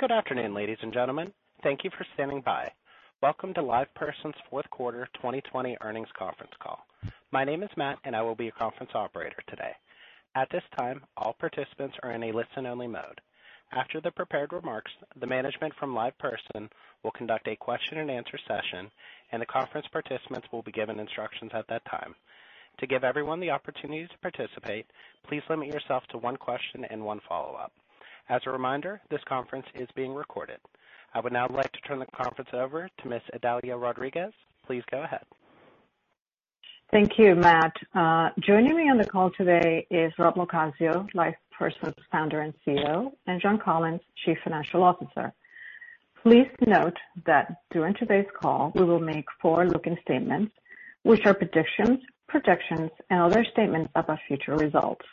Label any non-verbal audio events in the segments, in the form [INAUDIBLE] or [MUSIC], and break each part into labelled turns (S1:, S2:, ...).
S1: Good afternoon, ladies and gentlemen. Thank you for standing by. Welcome to LivePerson's fourth quarter 2020 earnings conference call. My name is Matt, and I will be your conference operator today. At this time, all participants are in a listen-only mode. After the prepared remarks, the management from LivePerson will conduct a question and answer session, and the conference participants will be given instructions at that time. To give everyone the opportunity to participate, please limit yourself to one question and one follow-up. As a reminder, this conference is being recorded. I would now like to turn the conference over to Ms. Idalia Rodriguez. Please go ahead.
S2: Thank you, Matt. Joining me on the call today is Rob LoCascio, LivePerson's Founder and CEO, and John Collins, Chief Financial Officer. Please note that during today's call, we will make forward-looking statements, which are predictions, projections, and other statements about future results.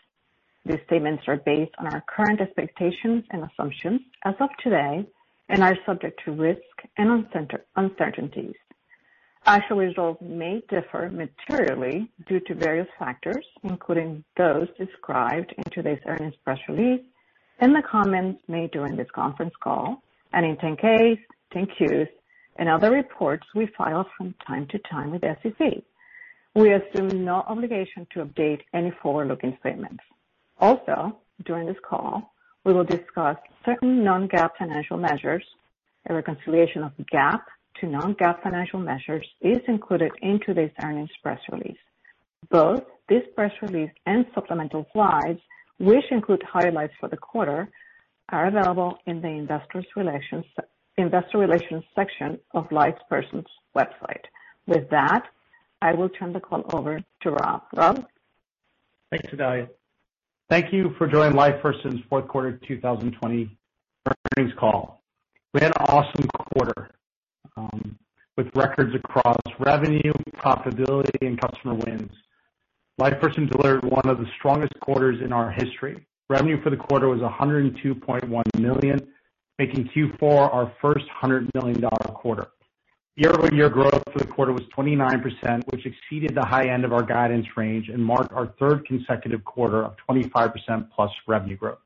S2: These statements are based on our current expectations and assumptions as of today and are subject to risks and uncertainties. Actual results may differ materially due to various factors, including those described in today's earnings press release and the comments made during this conference call and in 10-K, 10-Q, and other reports we file from time to time with SEC. We assume no obligation to update any forward-looking statements. Also, during this call, we will discuss certain non-GAAP financial measures. A reconciliation of GAAP to non-GAAP financial measures is included in today's earnings press release. Both this press release and supplemental slides, which include highlights for the quarter, are available in the investor relations section of LivePerson's website. With that, I will turn the call over to Rob. Rob?
S3: Thanks, Idalia. Thank you for joining LivePerson's fourth quarter 2020 earnings call. We had an awesome quarter, with records across revenue, profitability, and customer wins. LivePerson delivered one of the strongest quarters in our history. Revenue for the quarter was $102.1 million, making Q4 our first $100 million quarter. Year-over-year growth for the quarter was 29%, which exceeded the high end of our guidance range and marked our third consecutive quarter of 25%+ revenue growth.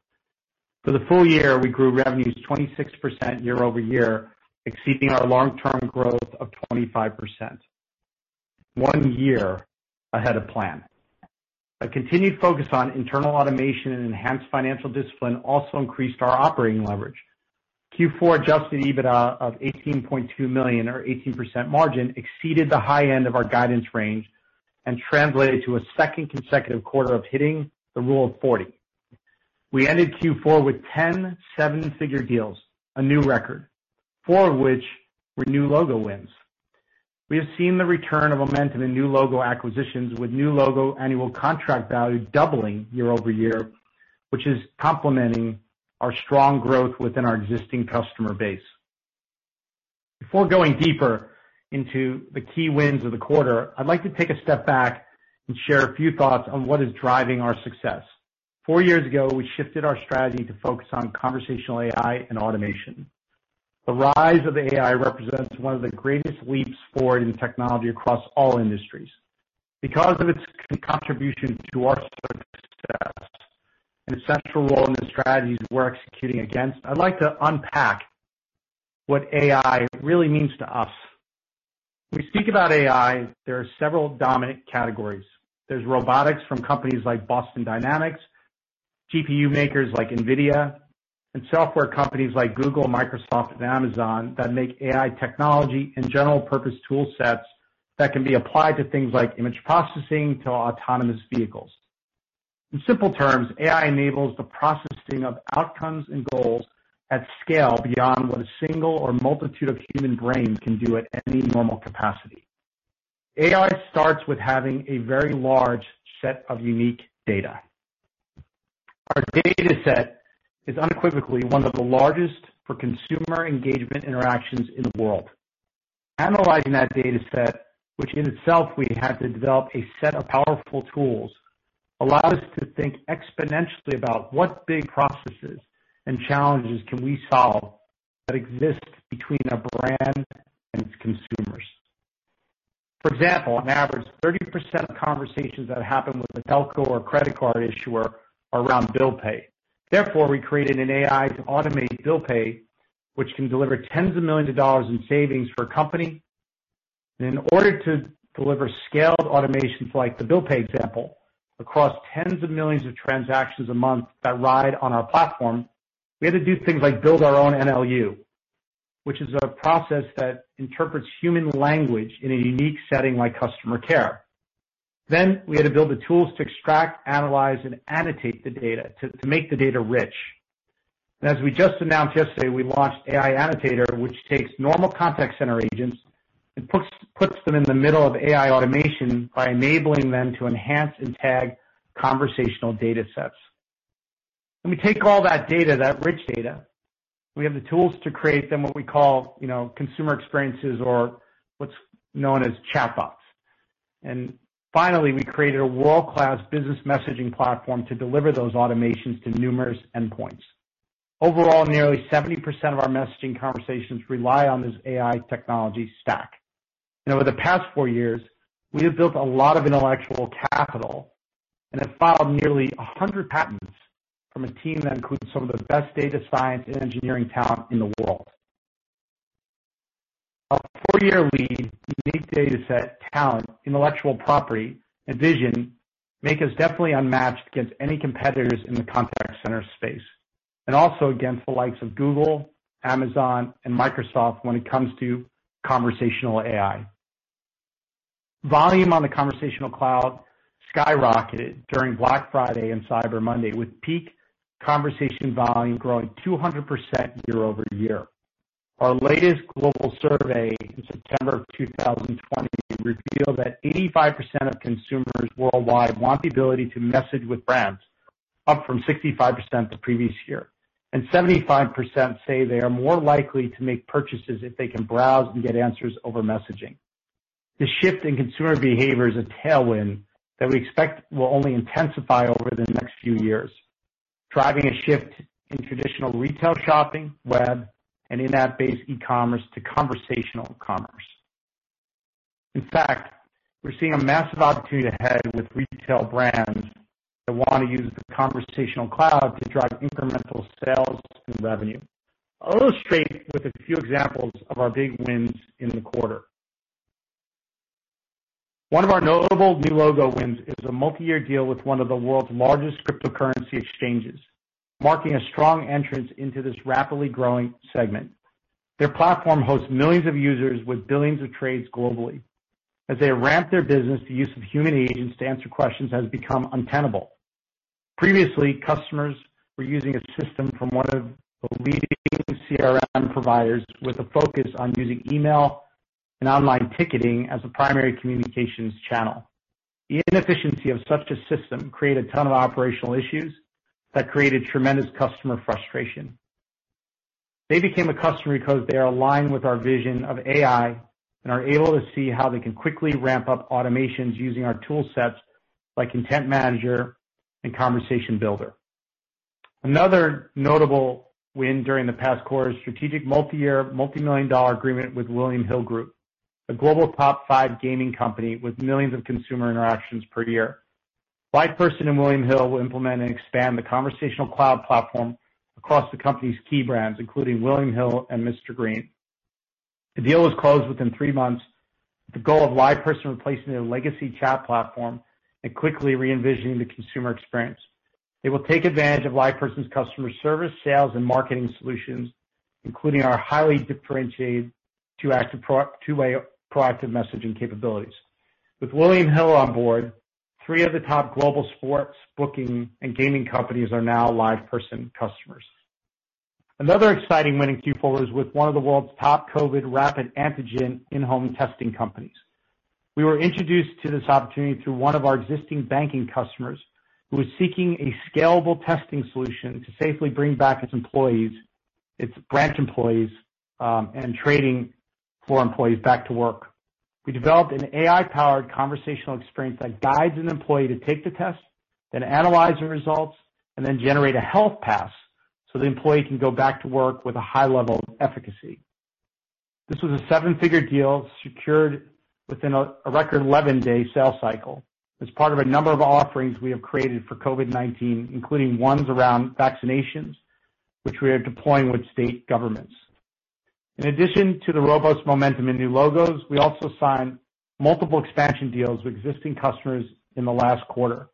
S3: For the full year, we grew revenues 26% year-over-year, exceeding our long-term growth of 25%, one year ahead of plan. A continued focus on internal automation and enhanced financial discipline also increased our operating leverage. Q4 adjusted EBITDA of $18.2 million or 18% margin exceeded the high end of our guidance range and translated to a second consecutive quarter of hitting the Rule of 40. We ended Q4 with 10 seven-figure deals, a new record. Four of which were new logo wins. We have seen the return of momentum in new logo acquisitions, with new logo annual contract value doubling year-over-year, which is complementing our strong growth within our existing customer base. Before going deeper into the key wins of the quarter, I'd like to take a step back and share a few thoughts on what is driving our success. Four years ago, we shifted our strategy to focus on Conversational AI and automation. The rise of AI represents one of the greatest leaps forward in technology across all industries. Because of its contribution to our success and essential role in the strategies we're executing against, I'd like to unpack what AI really means to us. When we speak about AI, there are several dominant categories. There's robotics from companies like Boston Dynamics, GPU makers like NVIDIA, and software companies like Google, Microsoft, and Amazon that make AI technology and general purpose tool sets that can be applied to things like image processing to autonomous vehicles. In simple terms, AI enables the processing of outcomes and goals at scale beyond what a single or multitude of human brains can do at any normal capacity. AI starts with having a very large set of unique data. Our data set is unequivocally one of the largest for consumer engagement interactions in the world. Analyzing that data set, which in itself we had to develop a set of powerful tools, allow us to think exponentially about what big processes and challenges can we solve that exist between a brand and its consumers. For example, on average, 30% of conversations that happen with a telco or credit card issuer are around bill pay. Therefore, we created an AI to automate bill pay, which can deliver tens of millions of dollars in savings for a company. In order to deliver scaled automations like the bill pay example across tens of millions of transactions a month that ride on our platform, we had to do things like build our own NLU, which is a process that interprets human language in a unique setting like customer care. We had to build the tools to extract, analyze, and annotate the data to make the data rich. As we just announced yesterday, we launched AI Annotator, which takes normal contact center agents and puts them in the middle of AI automation by enabling them to enhance and tag conversational data sets. When we take all that data, that rich data, we have the tools to create then what we call consumer experiences or what is known as chatbots. Finally, we created a world-class business messaging platform to deliver those automations to numerous endpoints. Overall, nearly 70% of our messaging conversations rely on this AI technology stack. Over the past four years, we have built a lot of intellectual capital and have filed nearly 100 patents from a team that includes some of the best data science and engineering talent in the world. Our four-year lead, unique data set, talent, intellectual property, and vision make us definitely unmatched against any competitors in the contact center space, and also against the likes of Google, Amazon, and Microsoft when it comes to conversational AI. Volume on the Conversational Cloud skyrocketed during Black Friday and Cyber Monday, with peak conversation volume growing 200% year-over-year. Our latest global survey in September of 2020 revealed that 85% of consumers worldwide want the ability to message with brands, up from 65% the previous year, and 75% say they are more likely to make purchases if they can browse and get answers over messaging. The shift in consumer behavior is a tailwind that we expect will only intensify over the next few years, driving a shift in traditional retail shopping, web, and in-app-based e-commerce to conversational commerce. In fact, we're seeing a massive opportunity ahead with retail brands that want to use the Conversational Cloud to drive incremental sales and revenue. I'll illustrate with a few examples of our big wins in the quarter. One of our notable new logo wins is a multi-year deal with one of the world's largest cryptocurrency exchanges, marking a strong entrance into this rapidly growing segment. Their platform hosts millions of users with billions of trades globally. As they ramp their business, the use of human agents to answer questions has become untenable. Previously, customers were using a system from one of the leading CRM providers with a focus on using email and online ticketing as a primary communications channel. The inefficiency of such a system created a ton of operational issues that created tremendous customer frustration. They became a customer because they are aligned with our vision of AI and are able to see how they can quickly ramp up automations using our tool sets like Content Manager and Conversation Builder. Another notable win during the past quarter is a strategic multi-year, multi-million dollar agreement with William Hill Group, a global top five gaming company with millions of consumer interactions per year. LivePerson and William Hill will implement and expand the Conversational Cloud platform across the company's key brands, including William Hill and Mr Green. The deal was closed within three months with the goal of LivePerson replacing their legacy chat platform and quickly re-envisioning the consumer experience. They will take advantage of LivePerson's customer service, sales, and marketing solutions, including our highly differentiated two-way proactive messaging capabilities. With William Hill on board, three of the top global sports booking and gaming companies are now LivePerson customers. Another exciting win in Q4 was with one of the world's top COVID rapid antigen in-home testing companies. We were introduced to this opportunity through one of our existing banking customers who was seeking a scalable testing solution to safely bring back its branch employees, and trading floor employees back to work. We developed an AI-powered conversational experience that guides an employee to take the test, then analyze the results, and then generate a health pass so the employee can go back to work with a high level of efficacy. This was a seven-figure deal secured within a record 11-day sales cycle as part of a number of offerings we have created for COVID-19, including ones around vaccinations, which we are deploying with state governments. In addition to the robust momentum in new logos, we also signed multiple expansion deals with existing customers in the last quarter.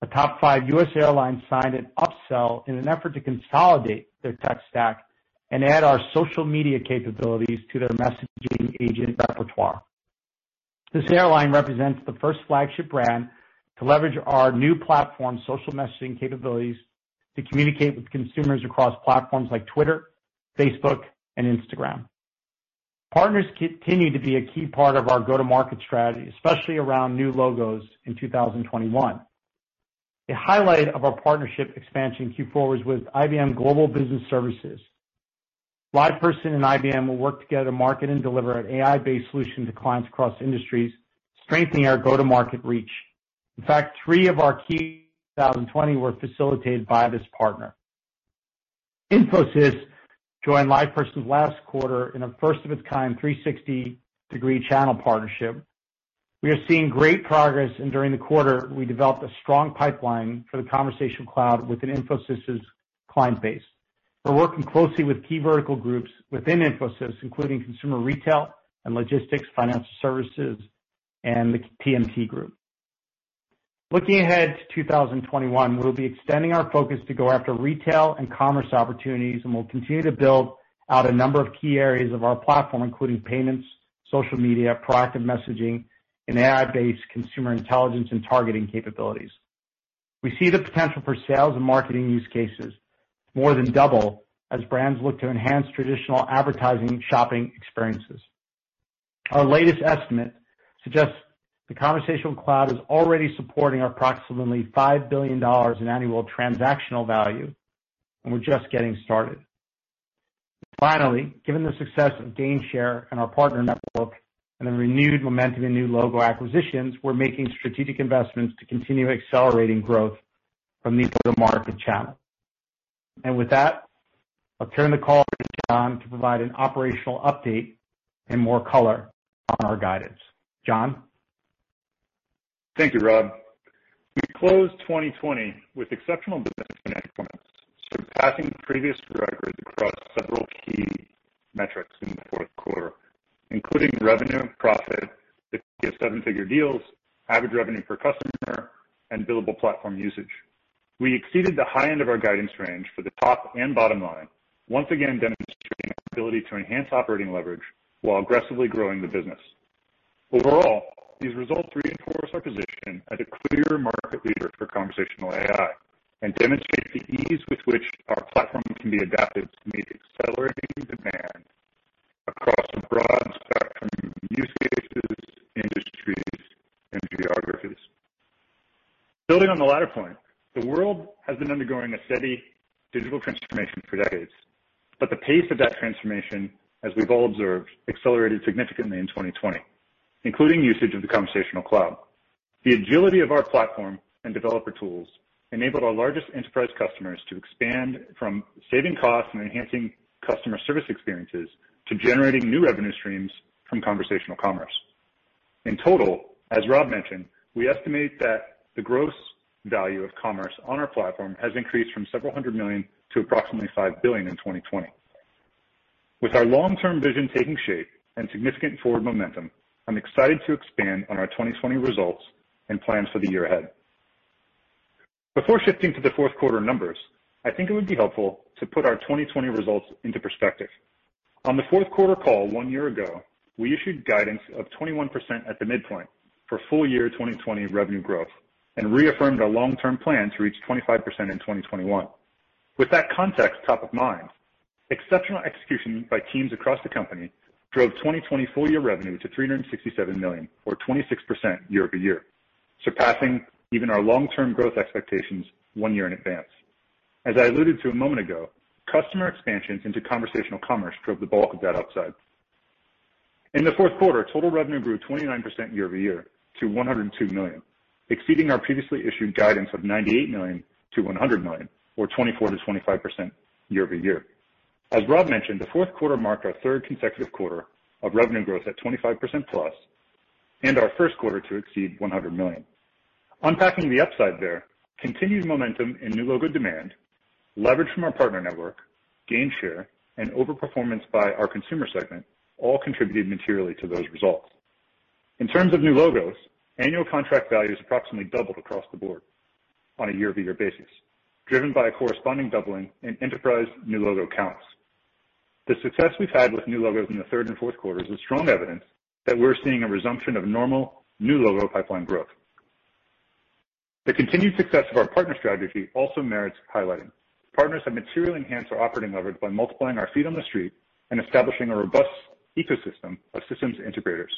S3: A top five U.S. airline signed an upsell in an effort to consolidate their tech stack and add our social media capabilities to their messaging agent repertoire. This airline represents the first flagship brand to leverage our new platform's social messaging capabilities to communicate with consumers across platforms like Twitter, Facebook, and Instagram. Partners continue to be a key part of our go-to-market strategy, especially around new logos in 2021. A highlight of our partnership expansion in Q4 was with IBM Global Business Services. LivePerson and IBM will work together to market and deliver an AI-based solution to clients across industries, strengthening our go-to-market reach. In fact, three of our keys in 2020 were facilitated by this partner. Infosys joined LivePerson last quarter in a first-of-its-kind 360-degree channel partnership. We are seeing great progress. During the quarter, we developed a strong pipeline for the Conversational Cloud within Infosys' client base. We're working closely with key vertical groups within Infosys, including consumer retail and logistics, financial services, and the TMT group. Looking ahead to 2021, we'll be extending our focus to go after retail and commerce opportunities, and we'll continue to build out a number of key areas of our platform, including payments, social media, proactive messaging, and AI-based consumer intelligence and targeting capabilities. We see the potential for sales and marketing use cases more than double as brands look to enhance traditional advertising shopping experiences. Our latest estimate suggests the Conversational Cloud is already supporting approximately $5 billion in annual transactional value, and we're just getting started. Finally, given the success of gain share and our partner network and the renewed momentum in new logo acquisitions, we're making strategic investments to continue accelerating growth from these go-to-market channels. With that, I'll turn the call over to John to provide an operational update and more color on our guidance. John?
S4: Thank you, Rob. We closed 2020 with exceptional business performance, surpassing previous records across several key metrics in the fourth quarter, including revenue, profit, with a seven-figure deals, average revenue per customer, and billable platform usage. We exceeded the high end of our guidance range for the top and bottom line, once again demonstrating our ability to enhance operating leverage while aggressively growing the business. Overall, these results reinforce our position as a clear market leader for Conversational AI and demonstrate the ease with which our platform can be adapted to meet accelerating demand across a broad spectrum of use cases, industries, and geographies. Building on the latter point, the world has been undergoing a steady digital transformation for decades, but the pace of that transformation, as we've all observed, accelerated significantly in 2020, including usage of the Conversational Cloud. The agility of our platform and developer tools enabled our largest enterprise customers to expand from saving costs and enhancing customer service experiences to generating new revenue streams from conversational commerce. In total, as Rob mentioned, we estimate that the gross value of commerce on our platform has increased from several hundred million to approximately $5 billion in 2020. With our long-term vision taking shape and significant forward momentum, I'm excited to expand on our 2020 results and plans for the year ahead. Before shifting to the fourth quarter numbers, I think it would be helpful to put our 2020 results into perspective. On the fourth quarter call one year ago, we issued guidance of 21% at the midpoint for full year 2020 revenue growth and reaffirmed our long-term plan to reach 25% in 2021. With that context top of mind, exceptional execution by teams across the company drove 2020 full-year revenue to $367 million, or 26% year-over-year, surpassing even our long-term growth expectations one year in advance. As I alluded to a moment ago, customer expansions into conversational commerce drove the bulk of that upside. In the fourth quarter, total revenue grew 29% year-over-year to $102 million, exceeding our previously issued guidance of $98 million-$100 million, or 24%-25% year-over-year. As Rob mentioned, the fourth quarter marked our third consecutive quarter of revenue growth at 25%+ and our first quarter to exceed $100 million. Unpacking the upside there, continued momentum in new logo demand, leverage from our partner network, gain share, and over-performance by our consumer segment all contributed materially to those results. In terms of new logos, annual contract values approximately doubled across the board on a year-over-year basis, driven by a corresponding doubling in enterprise new logo counts. The success we've had with new logos in the third and fourth quarters is strong evidence that we're seeing a resumption of normal new logo pipeline growth. The continued success of our partner strategy also merits highlighting. Partners have materially enhanced our operating leverage by multiplying our feet on the street and establishing a robust ecosystem of systems integrators.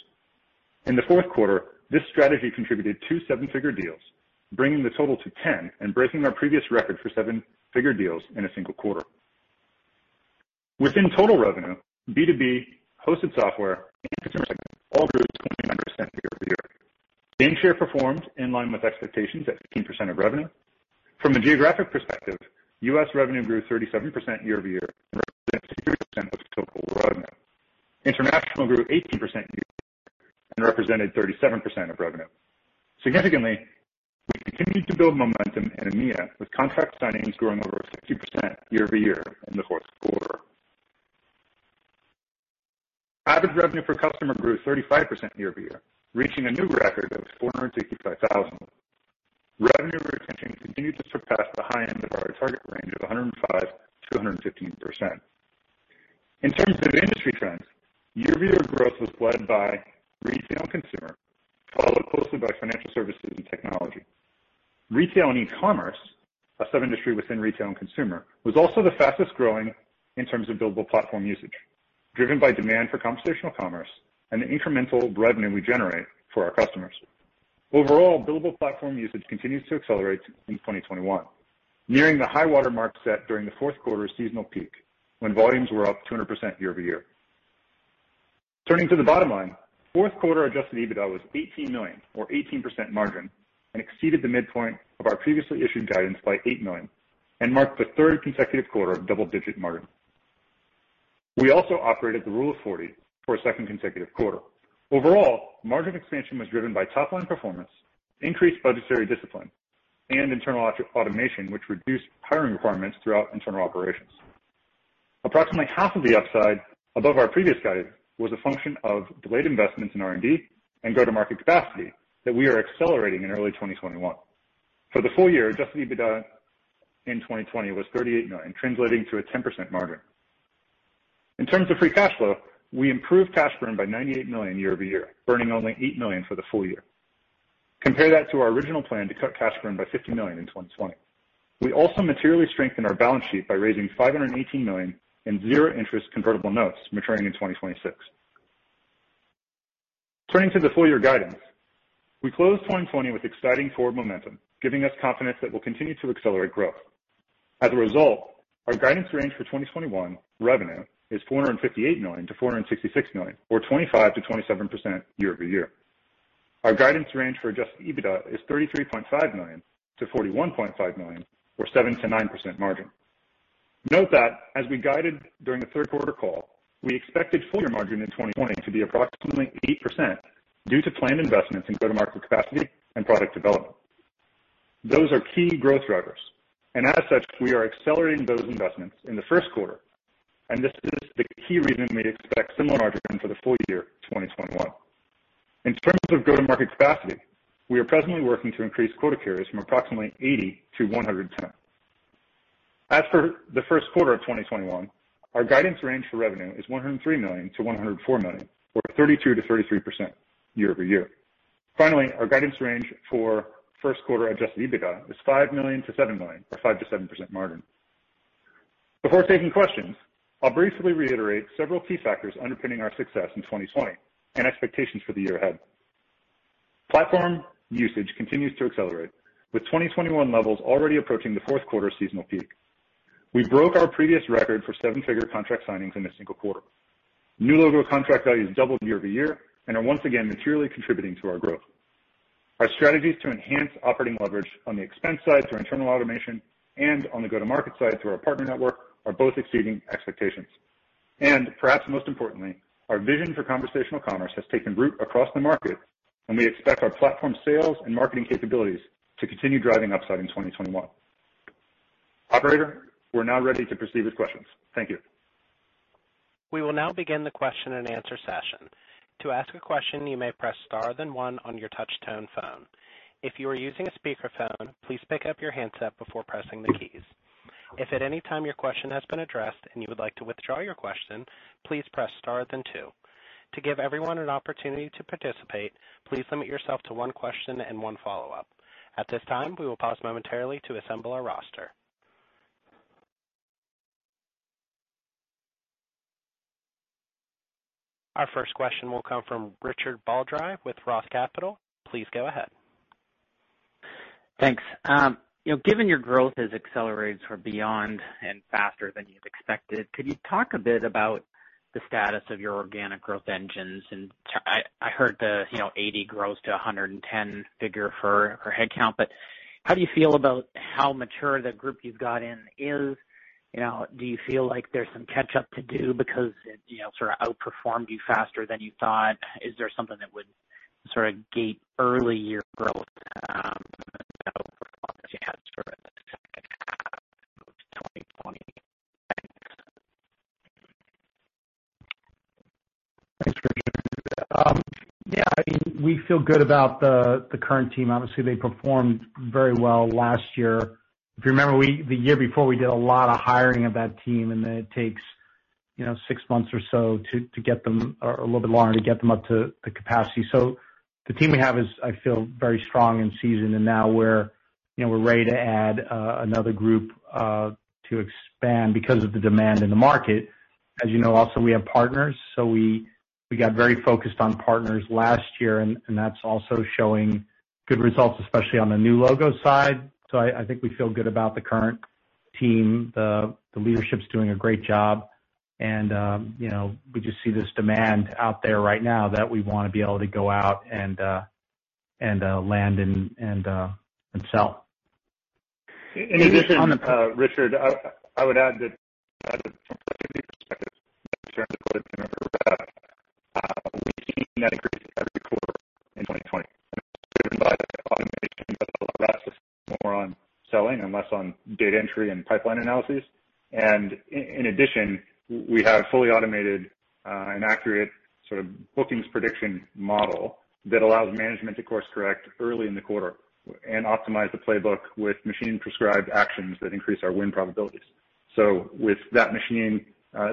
S4: In the fourth quarter, this strategy contributed two seven-figure deals, bringing the total to 10 and breaking our previous record for seven-figure deals in a single quarter. Within total revenue, B2B, hosted software, and consumer segment all grew 29% year-over-year. Gainshare performed in line with expectations at 15% of revenue. From a geographic perspective, U.S. revenue grew 37% year-over-year and represented 63% of total revenue. International grew 18% year-over-year and represented 37% of revenue. Significantly, we continued to build momentum in EMEA, with contract signings growing over 60% year-over-year in the fourth quarter. Average revenue per customer grew 35% year-over-year, reaching a new record of $465,000. Revenue retention continued to surpass the high end of our target range of 105%-115%. In terms of industry trends, year-over-year growth was led by retail and consumer, followed closely by financial services and technology. Retail and e-commerce, a sub-industry within retail and consumer, was also the fastest-growing in terms of billable platform usage, driven by demand for conversational commerce and the incremental revenue we generate for our customers. Overall, billable platform usage continues to accelerate in 2021, nearing the high-water mark set during the fourth quarter seasonal peak, when volumes were up 200% year-over-year. Turning to the bottom line, fourth quarter adjusted EBITDA was $18 million or 18% margin and exceeded the midpoint of our previously issued guidance by $8 million and marked the third consecutive quarter of double-digit margin. We also operated the Rule of 40 for a second consecutive quarter. Overall, margin expansion was driven by top-line performance, increased budgetary discipline, and internal automation, which reduced hiring requirements throughout internal operations. Approximately half of the upside above our previous guidance was a function of delayed investments in R&D and go-to-market capacity that we are accelerating in early 2021. For the full year, adjusted EBITDA in 2020 was $38 million, translating to a 10% margin. In terms of free cash flow, we improved cash burn by $98 million year-over-year, burning only $8 million for the full year. Compare that to our original plan to cut cash burn by $50 million in 2020. We also materially strengthened our balance sheet by raising $518 million in zero-interest convertible notes maturing in 2026. Turning to the full-year guidance. We closed 2020 with exciting forward momentum, giving us confidence that we'll continue to accelerate growth. Our guidance range for 2021 revenue is $458 million-$466 million, or 25%-27% year-over-year. Our guidance range for adjusted EBITDA is $33.5 million-$41.5 million, or 7%-9% margin. Note that as we guided during the third quarter call, we expected full-year margin in 2020 to be approximately 8% due to planned investments in go-to-market capacity and product development. Those are key growth drivers. As such, we are accelerating those investments in the first quarter, and this is the key reason we expect similar margin for the full year 2021. In terms of go-to-market capacity, we are presently working to increase quota carriers from approximately 80 to 110. As for the first quarter of 2021, our guidance range for revenue is $103 million-$104 million, or 32%-33% year-over-year. Our guidance range for first quarter adjusted EBITDA is $5 million-$7 million, or 5%-7% margin. Before taking questions, I'll briefly reiterate several key factors underpinning our success in 2020 and expectations for the year ahead. Platform usage continues to accelerate, with 2021 levels already approaching the fourth quarter seasonal peak. We broke our previous record for seven-figure contract signings in a single quarter. New logo contract values doubled year-over-year and are once again materially contributing to our growth. Our strategies to enhance operating leverage on the expense side through internal automation and on the go-to-market side through our partner network are both exceeding expectations. Perhaps most importantly, our vision for conversational commerce has taken root across the market, and we expect our platform sales and marketing capabilities to continue driving upside in 2021. Operator, we're now ready to proceed with questions. Thank you.
S1: We will now begin the question and answer session. To ask a question, you may press star then one on your touch-tone phone. If you are using a speakerphone, please pick up your handset before pressing the keys. If at any time your question has been addressed and you would like to withdraw your question, please press star then two. To give everyone an opportunity to participate, please limit yourself to one question and one follow-up. At this time, we will pause momentarily to assemble our roster. Our first question will come from Richard Baldry with Roth Capital. Please go ahead.
S5: Thanks. Given your growth has accelerated sort of beyond and faster than you'd expected, could you talk a bit about the status of your organic growth engines? I heard the 80 grows to 110 figure for headcount, but how do you feel about how mature the group you've got in is? Do you feel like there's some catch up to do because it sort of outperformed you faster than you thought? Is there something that would sort of gate early year growth. [AUDIO DISTORTION]
S3: [AUDIO DISTORTION] We feel good about the current team. Obviously, they performed very well last year. If you remember, the year before, we did a lot of hiring of that team, and then it takes six months or so, or a little bit longer, to get them up to the capacity. The team we have is, I feel, very strong and seasoned, and now we're ready to add another group to expand because of the demand in the market. As you know, also, we have partners, so we got very focused on partners last year, and that's also showing good results, especially on the new logo side. I think we feel good about the current team. The leadership's doing a great job, and we just see this demand out there right now that we want to be able to go out and land and sell.
S4: In addition, Richard, I would add that [AUDIO DISTORTION] in 2020. [AUDIO DISTORTION] more on selling and less on data entry and pipeline analysis. In addition, we have a fully automated and accurate sort of bookings prediction model that allows management to course correct early in the quarter and optimize the playbook with machine-prescribed actions that increase our win probabilities. With that machine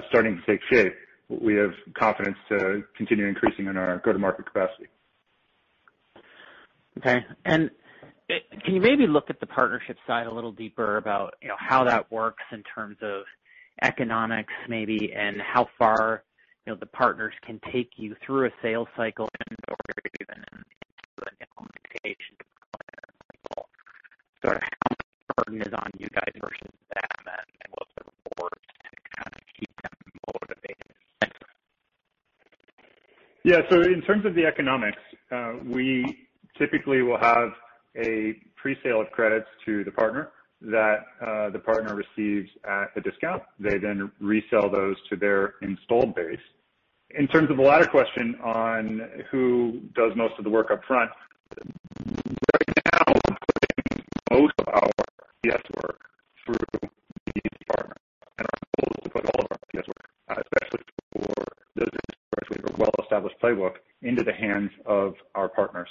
S4: starting to take shape, we have confidence to continue increasing in our go-to-market capacity.
S5: Okay. Can you maybe look at the partnership side a little deeper about how that works in terms of economics, maybe, and how far the partners can take you through a sales cycle [AUDIO DISTORTION] is on you guys versus. [AUDIO DISTORTION]
S4: Yeah. In terms of the economics, we typically will have a pre-sale of credits to the partner that the partner receives at a discount. They resell those to their installed base. In terms of the latter question on who does most of the work up front, [AUDIO DISTORTION] most of our PS [AUDIO DISTORTION] where we have a well-established playbook, into the hands of our partners.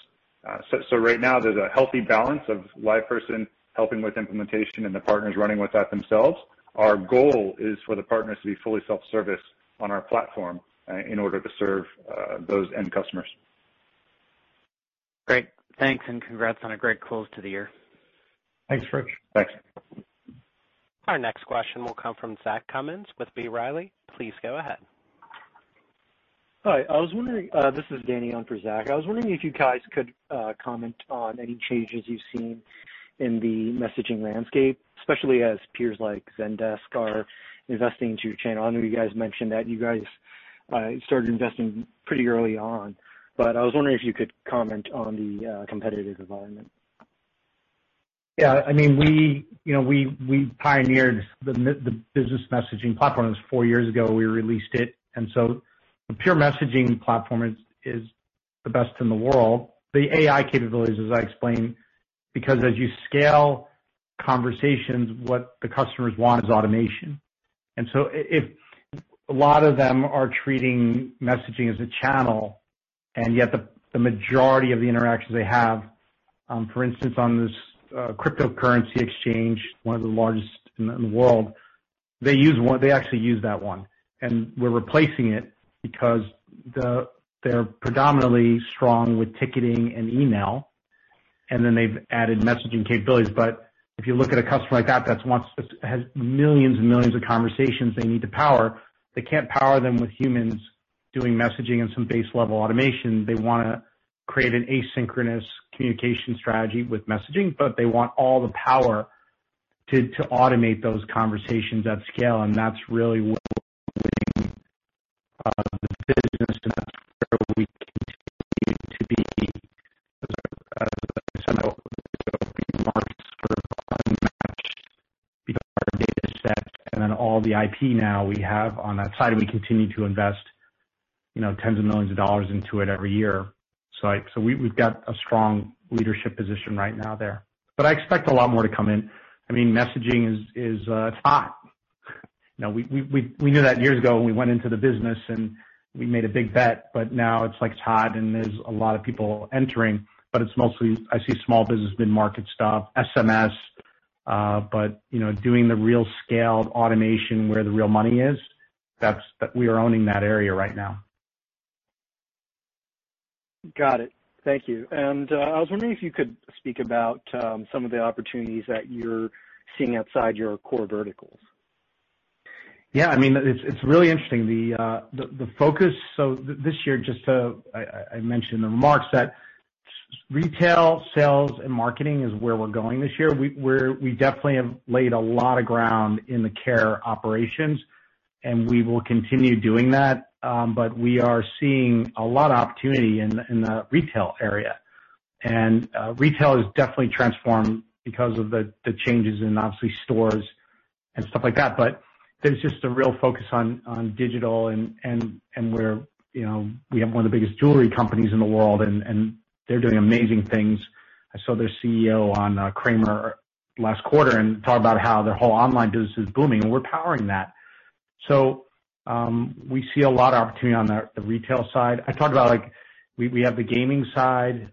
S4: Right now there's a healthy balance of LivePerson helping with implementation and the partners running with that themselves. Our goal is for the partners to be fully self-service on our platform in order to serve those end customers.
S5: Great. Thanks, and congrats on a great close to the year.
S3: Thanks, Rich.
S4: Thanks.
S1: Our next question will come from Zach Cummins with B. Riley. Please go ahead.
S6: Hi. This is Danny on for Zach. I was wondering if you guys could comment on any changes you've seen in the messaging landscape, especially as peers like Zendesk are investing into channel. I know you guys mentioned that you guys started investing pretty early on. I was wondering if you could comment on the competitive environment.
S3: Yeah. We pioneered the business messaging platform. It was four years ago, we released it. The pure messaging platform is the best in the world. The AI capabilities, as I explained, because as you scale conversations, what the customers want is automation. If a lot of them are treating messaging as a channel, and yet the majority of the interactions they have, for instance, on this cryptocurrency exchange, one of the largest in the world, they actually use that one. We're replacing it because they're predominantly strong with ticketing and email, and then they've added messaging capabilities. If you look at a customer like that has millions and millions of conversations they need to power, they can't power them with humans doing messaging and some base-level automation. They want to create an asynchronous communication strategy with messaging, but they want all the power to automate those conversations at scale. That's really what the business, and that's where we continue to be unmatched because our data set and then all the IP now we have on that side, and we continue to invest tens of millions of dollars into it every year. We've got a strong leadership position right now there. I expect a lot more to come in. Messaging is hot. We knew that years ago when we went into the business, and we made a big bet, but now it's hot, and there's a lot of people entering. It's mostly, I see small business, mid-market stuff, SMS. Doing the real scaled automation where the real money is, we are owning that area right now.
S6: Got it. Thank you. I was wondering if you could speak about some of the opportunities that you're seeing outside your core verticals.
S3: Yeah. It's really interesting. The focus, I mentioned in the remarks that retail, sales, and marketing is where we're going this year. We definitely have laid a lot of ground in the care operations, and we will continue doing that. We are seeing a lot of opportunity in the retail area. Retail has definitely transformed because of the changes in, obviously, stores and stuff like that. There's just a real focus on digital, and we have one of the biggest jewelry companies in the world, and they're doing amazing things. I saw their CEO on Cramer last quarter and talk about how their whole online business is booming, and we're powering that. We see a lot of opportunity on the retail side. I talked about we have the gaming side,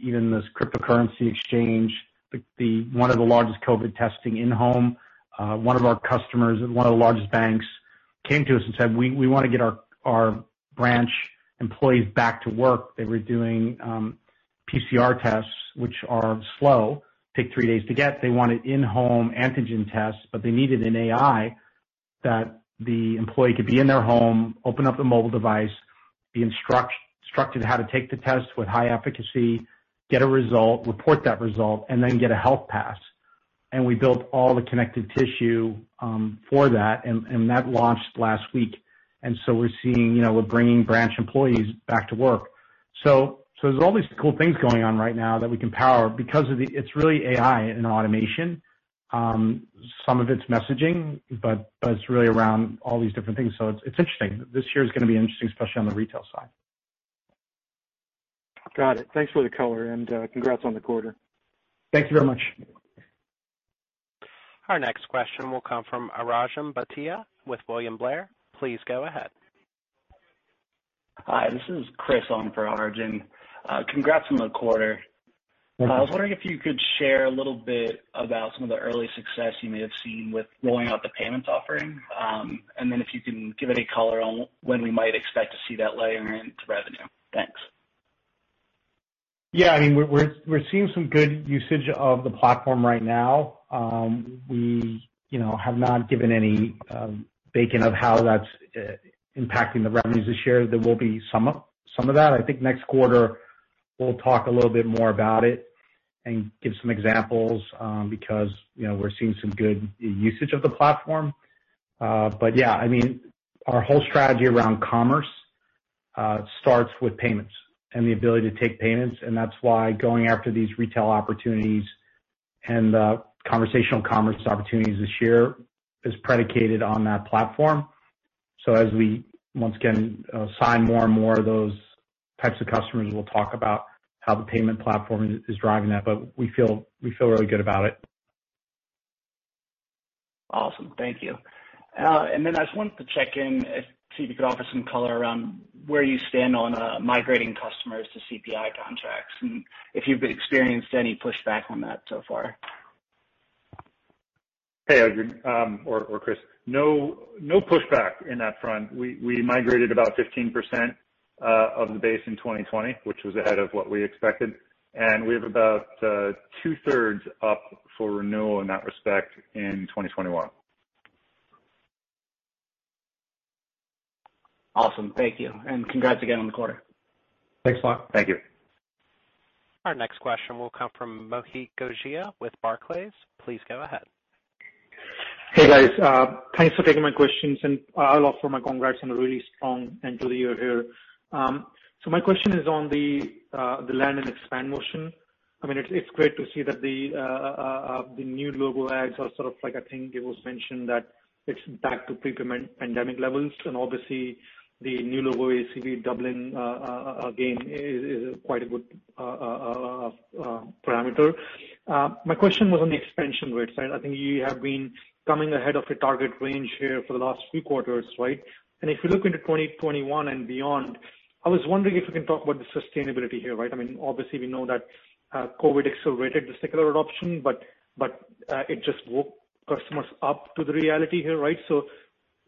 S3: even this cryptocurrency exchange, one of the largest COVID testing in-home. One of our customers at one of the largest banks came to us and said, "We want to get our branch employees back to work." They were doing PCR tests, which are slow, take three days to get. They wanted in-home antigen tests, but they needed an AI that the employee could be in their home, open up the mobile device, be instructed how to take the test with high efficacy, get a result, report that result, and then get a health pass. We built all the connected tissue for that, and that launched last week. We're seeing, we're bringing branch employees back to work. There's all these cool things going on right now that we can power because it's really AI and automation. Some of it's messaging, but it's really around all these different things. It's interesting. This year is going to be interesting, especially on the retail side.
S6: Got it. Thanks for the color, and congrats on the quarter.
S3: Thank you very much.
S1: Our next question will come from Arjun Bhatia with William Blair. Please go ahead.
S7: Hi, this is Chris on for Arjun. Congrats on the quarter.
S3: Thank you.
S7: I was wondering if you could share a little bit about some of the early success you may have seen with rolling out the payments offering. If you can give any color on when we might expect to see that layer into revenue. Thanks.
S3: We're seeing some good usage of the platform right now. We have not given any beacon of how that's impacting the revenues this year. There will be some of that. I think next quarter, we'll talk a little bit more about it and give some examples, because we're seeing some good usage of the platform. Our whole strategy around commerce starts with payments and the ability to take payments, and that's why going after these retail opportunities and conversational commerce opportunities this year is predicated on that platform. As we, once again, sign more and more of those types of customers, we'll talk about how the payment platform is driving that, but we feel really good about it.
S7: Awesome. Thank you. I just wanted to check in, see if you could offer some color around where you stand on migrating customers to CPI contracts, and if you've experienced any pushback on that so far.
S4: Hey, Arjun, or Chris. No pushback in that front. We migrated about 15% of the base in 2020, which was ahead of what we expected, and we have about 2/3 up for renewal in that respect in 2021.
S7: Awesome. Thank you, and congrats again on the quarter.
S3: Thanks a lot.
S4: Thank you.
S1: Our next question will come from Mohit Gogia with Barclays. Please go ahead.
S8: Hey, guys. Thanks for taking my questions. I'll offer my congrats on a really strong end to the year here. My question is on the land and expand motion. It's great to see that the new logo adds or sort of like, I think it was mentioned that it's back to pre-pandemic levels, and obviously the new logo ACV doubling again is quite a good parameter. My question was on the expansion rate. I think you have been coming ahead of your target range here for the last few quarters, right? If we look into 2021 and beyond, I was wondering if you can talk about the sustainability here, right? Obviously, we know that COVID accelerated the secular adoption, but it just woke customers up to the reality here, right?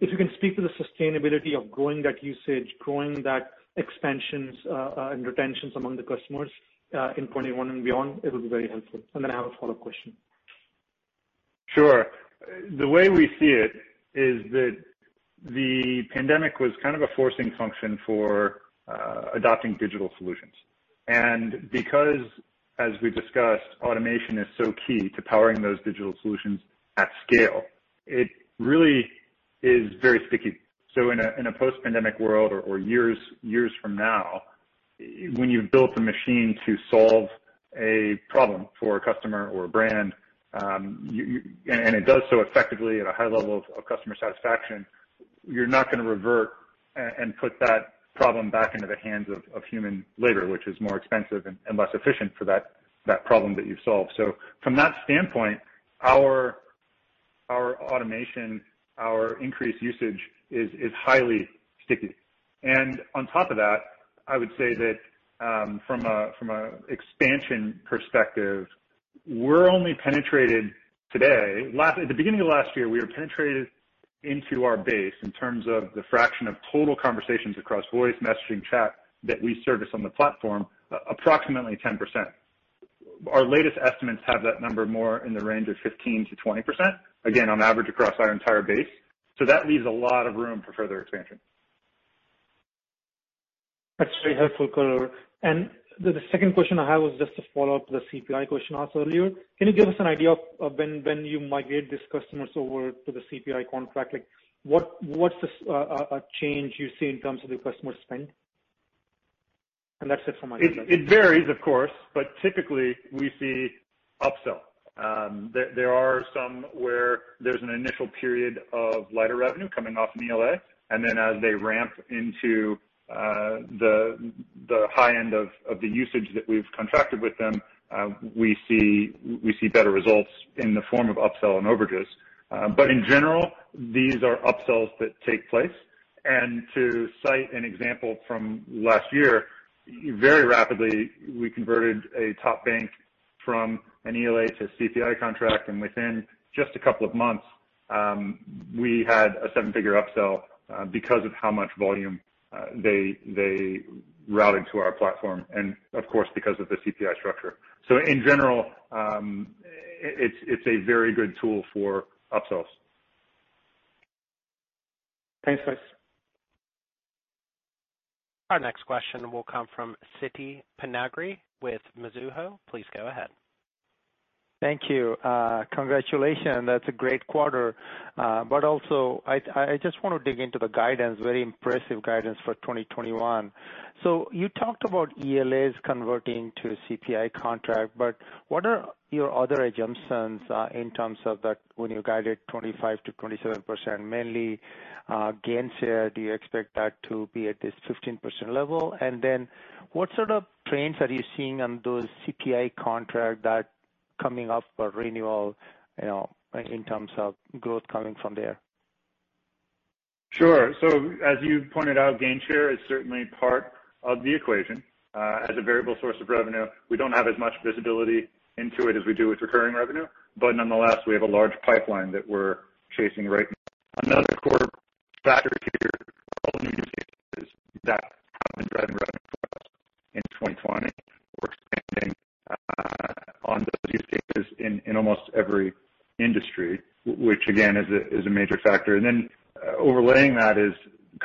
S8: If you can speak to the sustainability of growing that usage, growing that expansions, and retentions among the customers, in 2021 and beyond, it would be very helpful. Then I have a follow-up question.
S4: Sure. The way we see it is that the pandemic was kind of a forcing function for adopting digital solutions. Because, as we've discussed, automation is so key to powering those digital solutions at scale, it really is very sticky. In a post-pandemic world or years from now, when you've built a machine to solve a problem for a customer or a brand, and it does so effectively at a high level of customer satisfaction, you're not gonna revert and put that problem back into the hands of human labor, which is more expensive and less efficient for that problem that you've solved. From that standpoint, our automation, our increased usage is highly sticky. On top of that, I would say that, from a expansion perspective, at the beginning of last year, we were penetrated into our base in terms of the fraction of total conversations across voice, messaging, chat that we service on the platform, approximately 10%. Our latest estimates have that number more in the range of 15%-20%, again, on average across our entire base. That leaves a lot of room for further expansion.
S8: That's very helpful color. The second question I have is just to follow up the CPI question asked earlier. Can you give us an idea of when you migrate these customers over to the CPI contract, what's a change you see in terms of the customer spend? That's it for my questions.
S4: It varies, of course, typically we see upsell. There are some where there's an initial period of lighter revenue coming off an ELA, and then as they ramp into the high end of the usage that we've contracted with them, we see better results in the form of upsell and overages. In general, these are upsells that take place. To cite an example from last year, very rapidly we converted a top bank from an ELA to a CPI contract. Within just a couple of months, we had a seven-figure upsell because of how much volume they routed to our platform and, of course, because of the CPI structure. In general, it's a very good tool for upsells.
S8: Thanks, guys.
S1: Our next question will come from Siti Panigrahi with Mizuho. Please go ahead.
S9: Thank you. Congratulations. That's a great quarter. Also, I just want to dig into the guidance, very impressive guidance for 2021. You talked about ELAs converting to a CPI contract, but what are your other assumptions in terms of that when you guided 25%-27%, mainly gain share? Do you expect that to be at this 15% level? What sort of trends are you seeing on those CPI contract that coming up for renewal, in terms of growth coming from there?
S4: Sure. As you pointed out, gain share is certainly part of the equation. As a variable source of revenue, we don't have as much visibility into it as we do with recurring revenue, but nonetheless, we have a large pipeline that we're chasing right now. Another core factor here are all the new use cases that have been driving revenue for us in 2020. We're expanding on those use cases in almost every industry, which again, is a major factor. Then overlaying that is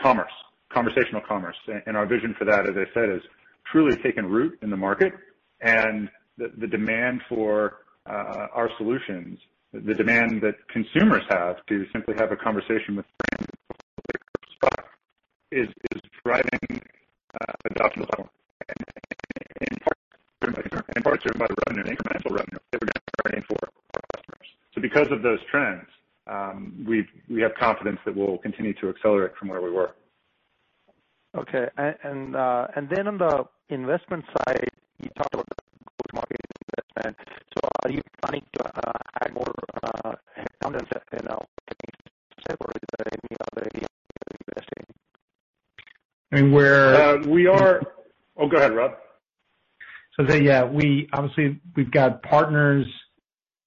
S4: commerce, conversational commerce. Our vision for that, as I said, has truly taken root in the market and the demand for our solutions, the demand that consumers have to simply have a conversation [AUDIO DISTORTION] in part driven by. [AUDIO DISTORTION] Because of those trends, we have confidence that we'll continue to accelerate from where we were.
S9: Okay. On the investment side. [AUDIO DISTORTION]
S3: I mean.
S4: Oh, go ahead, Rob.
S3: Yeah. Obviously, we've got partners.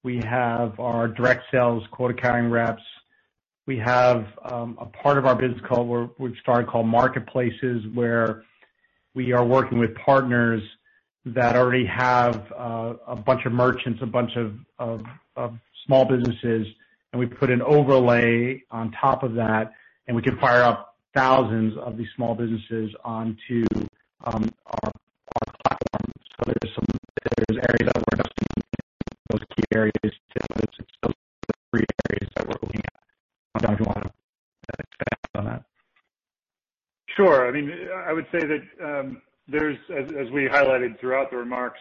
S3: We have our direct sales quota carrying reps. We have a part of our business we've started called Marketplaces, where we are working with partners that already have a bunch of merchants, a bunch of small businesses, and we put an overlay on top of that, and we can fire up thousands of these small businesses onto. [AUDIO DISTORTION]
S4: Sure. I would say that, as we highlighted throughout the remarks,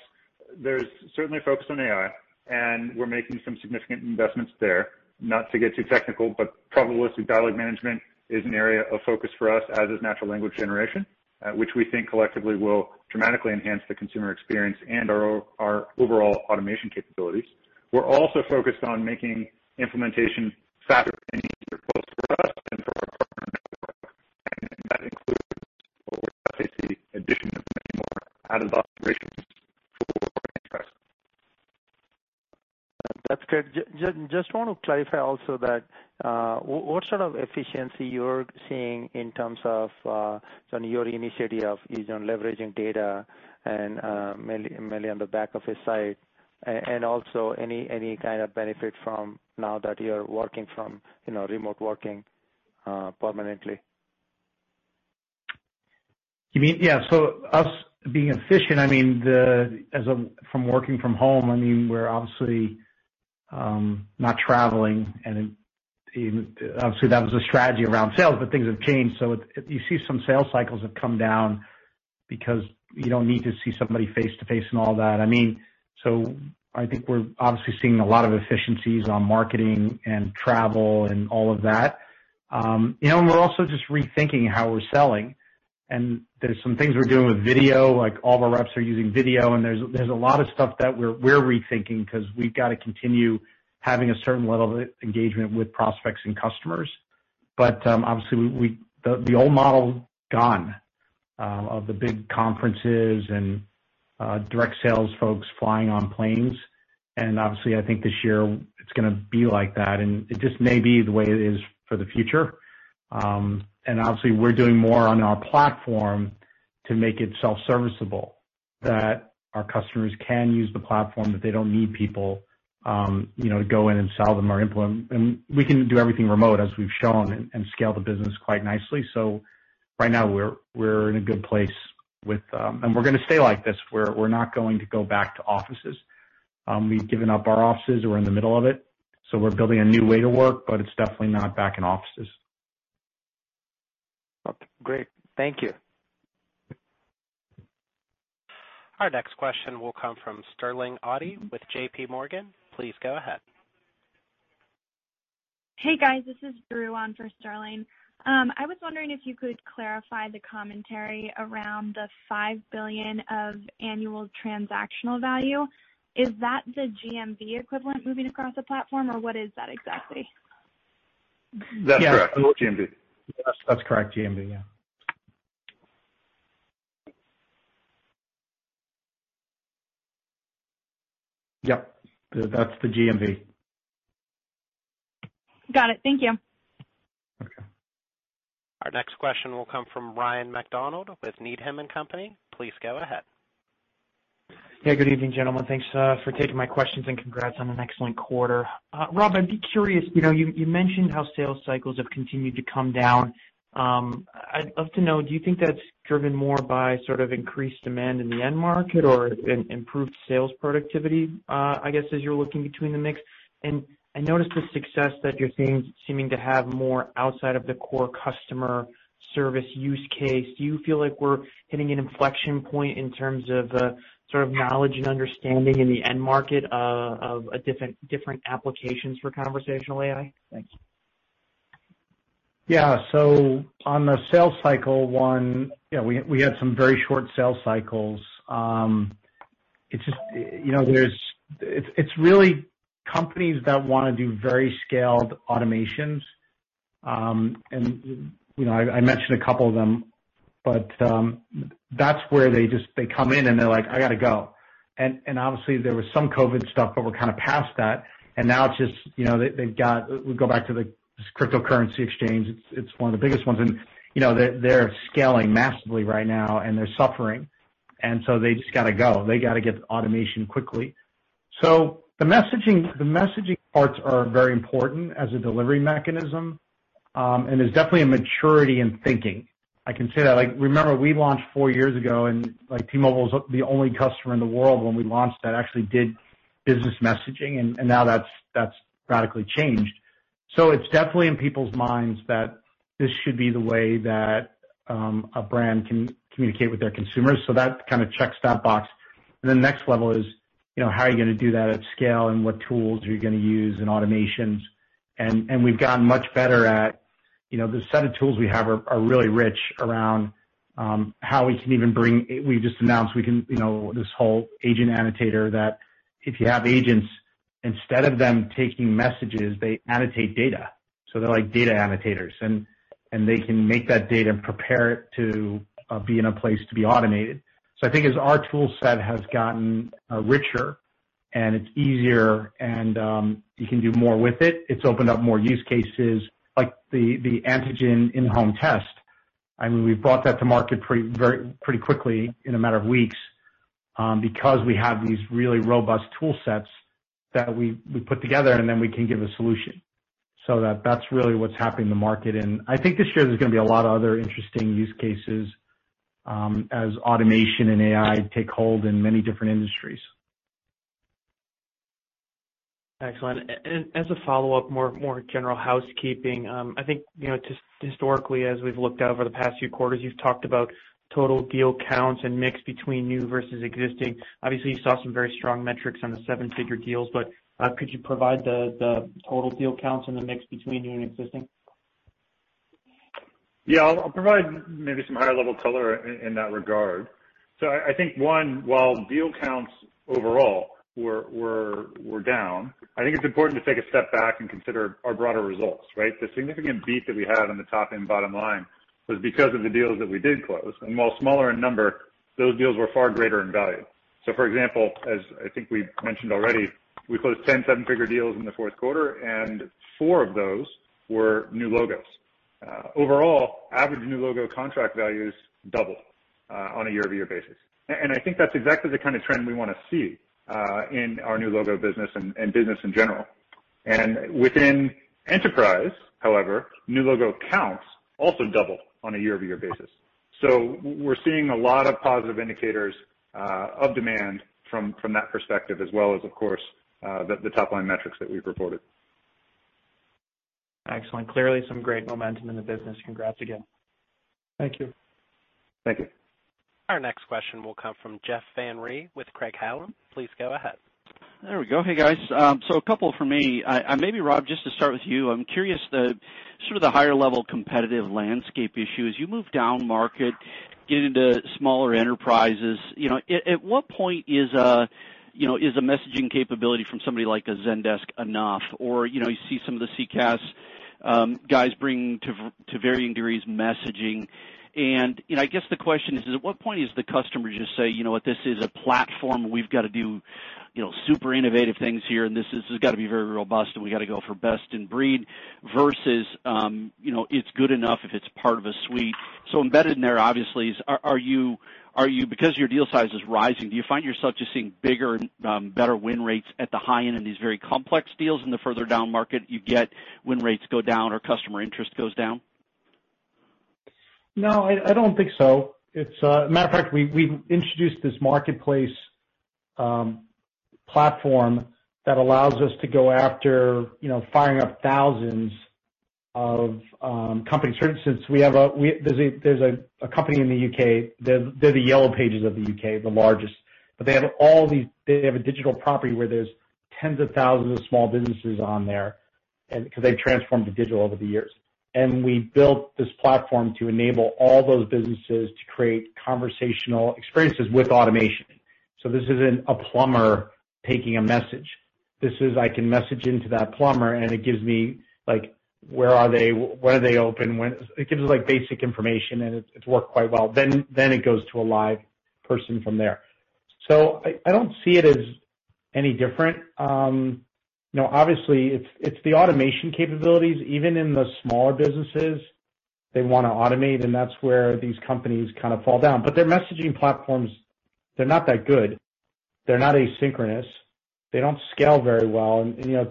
S4: there's certainly a focus on AI, and we're making some significant investments there. Not to get too technical, but probabilistic dialog management is an area of focus for us, as is natural language generation, which we think collectively will dramatically enhance the consumer experience and our overall automation capabilities. We're also focused on making implementation faster. [AUDIO DISTORTION]
S9: That's good. Just want to clarify also that what sort of efficiency you're seeing in terms of your initiative is on leveraging data and mainly on the back of insight? Also any kind of benefit from now that you're working from remote working permanently?
S3: Yeah. Us being efficient, from working from home, we're obviously not traveling and obviously that was a strategy around sales, but things have changed. You see some sales cycles have come down because you don't need to see somebody face-to-face and all that. I think we're obviously seeing a lot of efficiencies on marketing and travel and all of that. We're also just rethinking how we're selling. There's some things we're doing with video, like all of our reps are using video, and there's a lot of stuff that we're rethinking because we've got to continue having a certain level of engagement with prospects and customers. Obviously the old model, gone, of the big conferences and direct sales folks flying on planes. Obviously I think this year it's going to be like that, and it just may be the way it is for the future. Obviously we're doing more on our platform to make it self-serviceable, that our customers can use the platform, that they don't need people to go in and sell them or implement. We can do everything remote, as we've shown, and scale the business quite nicely. Right now we're in a good place. We're going to stay like this. We're not going to go back to offices. We've given up our offices. We're in the middle of it, so we're building a new way to work, but it's definitely not back in offices.
S9: Okay, great. Thank you.
S1: Our next question will come from Sterling Auty with JPMorgan. Please go ahead.
S10: Hey, guys. This is Drew on for Sterling. I was wondering if you could clarify the commentary around the $5 billion of annual transactional value. Is that the GMV equivalent moving across the platform, or what is that exactly?
S4: That's correct.
S3: Yeah.
S4: GMV.
S3: That's correct, GMV, yeah. Yep. That's the GMV.
S10: Got it. Thank you.
S3: Okay.
S1: Our next question will come from Ryan MacDonald with Needham & Company. Please go ahead.
S11: Yeah, good evening, gentlemen. Thanks for taking my questions and congrats on an excellent quarter. Rob, I'd be curious, you mentioned how sales cycles have continued to come down. I'd love to know, do you think that's driven more by sort of increased demand in the end market or improved sales productivity, I guess, as you're looking between the mix? I noticed the success that you're seeming to have more outside of the core customer service use case. Do you feel like we're hitting an inflection point in terms of the sort of knowledge and understanding in the end market of different applications for Conversational AI? Thank you.
S3: Yeah. On the sales cycle one, we had some very short sales cycles. It's really companies that want to do very scaled automations. I mentioned a couple of them, but that's where they come in and they're like, "I got to go." Obviously there was some COVID stuff, but we're kind of past that, and now it's just, we go back to the cryptocurrency exchange. It's one of the biggest ones, and they're scaling massively right now, and they're suffering, and so they just got to go. They got to get the automation quickly. The messaging parts are very important as a delivery mechanism. There's definitely a maturity in thinking. I can say that. Remember, we launched four years ago, and T-Mobile's the only customer in the world when we launched that actually did business messaging, and now that's radically changed. It's definitely in people's minds that this should be the way that a brand can communicate with their consumers, so that kind of checks that box. The next level is how are you going to do that at scale and what tools are you going to use in automations. We've gotten much better. The set of tools we have are really rich around how we can even. We just announced this whole AI Annotator that if you have agents, instead of them taking messages, they annotate data. They're like data annotators, and they can make that data and prepare it to be in a place to be automated. I think as our tool set has gotten richer. It's easier and you can do more with it. It's opened up more use cases like the antigen in-home test. We brought that to market pretty quickly, in a matter of weeks, because we have these really robust tool sets that we put together, and then we can give a solution. That's really what's happening in the market, and I think this year there's going to be a lot of other interesting use cases as automation and AI take hold in many different industries.
S11: Excellent. As a follow-up, more general housekeeping. I think, historically, as we've looked out over the past few quarters, you've talked about total deal counts and mix between new versus existing. Obviously, you saw some very strong metrics on the seven-figure deals, but could you provide the total deal counts and the mix between new and existing?
S4: Yeah, I'll provide maybe some higher-level color in that regard. I think, one, while deal counts overall were down, I think it's important to take a step back and consider our broader results, right? The significant beat that we had on the top and bottom line was because of the deals that we did close. While smaller in number, those deals were far greater in value. For example, as I think we mentioned already, we closed 10 seven-figure deals in the fourth quarter, and four of those were new logos. Overall, average new logo contract value's double on a year-over-year basis. I think that's exactly the kind of trend we want to see in our new logo business and business in general. Within enterprise, however, new logo counts also double on a year-over-year basis. We're seeing a lot of positive indicators of demand from that perspective as well as, of course, the top-line metrics that we've reported.
S11: Excellent. Clearly some great momentum in the business. Congrats again.
S3: Thank you.
S4: Thank you.
S1: Our next question will come from Jeff Van Rhee with Craig-Hallum. Please go ahead.
S12: There we go. Hey, guys. A couple from me. Maybe Rob, just to start with you, I'm curious the higher-level competitive landscape issue. As you move down market, get into smaller enterprises, at what point is a messaging capability from somebody like a Zendesk enough? Or you see some of the CCaaS guys bringing, to varying degrees, messaging. I guess the question is, at what point does the customer just say, "You know what, this is a platform? We've got to do super innovative things here, and this has got to be very robust, and we got to go for best in breed," versus, "It's good enough if it's part of a suite." Embedded in there, obviously, because your deal size is rising, do you find yourself just seeing bigger and better win rates at the high end in these very complex deals, and the further down market you get, win rates go down or customer interest goes down?
S3: No, I don't think so. As a matter of fact, we've introduced this marketplace platform that allows us to go after firing up thousands of company services. There's a company in the U.K., they're the Yellow Pages of the U.K., the largest. They have a digital property where there's tens of thousands of small businesses on there, because they've transformed to digital over the years. We built this platform to enable all those businesses to create conversational experiences with automation. This isn't a plumber taking a message. This is, I can message into that plumber, and it gives me where are they, when are they open. It gives basic information, and it's worked quite well. It goes to a live person from there. I don't see it as any different. Obviously, it's the automation capabilities, even in the smaller businesses, they want to automate, and that's where these companies kind of fall down. Their messaging platforms, they're not that good. They're not asynchronous. They don't scale very well. You've been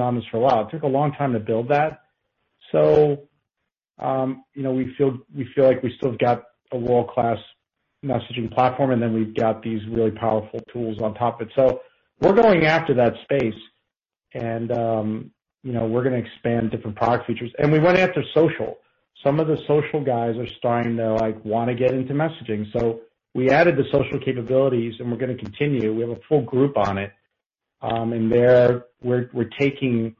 S3: on this for a while, it took a long time to build that. We feel like we still have got a world-class messaging platform, and then we've got these really powerful tools on top it. We're going after that space, and we're going to expand different product features. We went after social. Some of the social guys are starting to want to get into messaging. We added the social capabilities, and we're going to continue. We have a full group on it. There, we're taking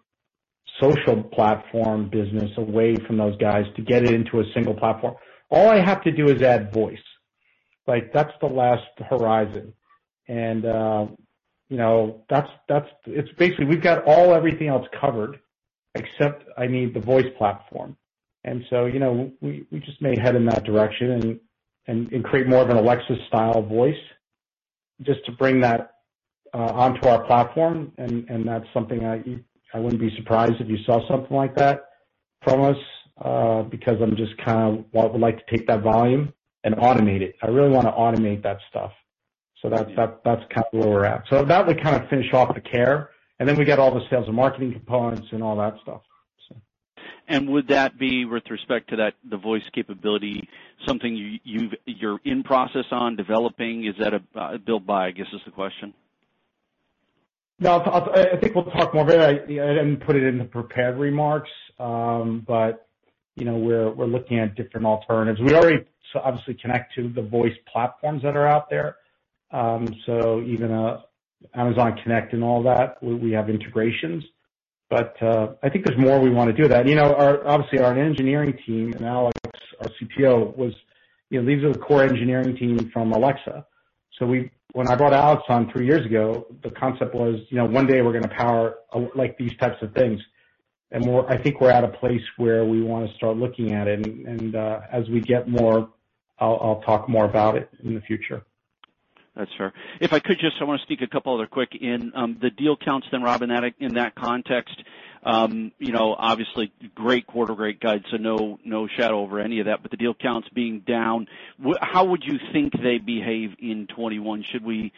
S3: social platform business away from those guys to get it into a single platform. All I have to do is add voice. That's the last horizon. Basically, we've got all everything else covered, except I need the voice platform. We just may head in that direction and create more of an Alexa-style voice just to bring that onto our platform, and that's something I wouldn't be surprised if you saw something like that from us, because I would like to take that volume and automate it. I really want to automate that stuff. That's kind of where we're at. That would kind of finish off the care. We got all the sales and marketing components and all that stuff.
S12: Would that be, with respect to the voice capability, something you're in process on developing? Is that a build-buy, I guess is the question?
S3: No. I think we'll talk more. I didn't put it in the prepared remarks. We're looking at different alternatives. We already obviously connect to the voice platforms that are out there. Even Amazon Connect and all that, we have integrations. I think there's more we want to do there. Obviously, our engineering team and Alex, our CPO, these are the core engineering team from Alexa. When I brought Alex on three years ago, the concept was, one day we're going to power these types of things. I think we're at a place where we want to start looking at it, and as we get more, I'll talk more about it in the future.
S12: That's fair. If I could just, I want to sneak a couple other quick in. The deal counts then, Rob, in that context. Obviously, great quarter, great guide, so no shadow over any of that, but the deal counts being down, how would you think they behave in 2021? Should we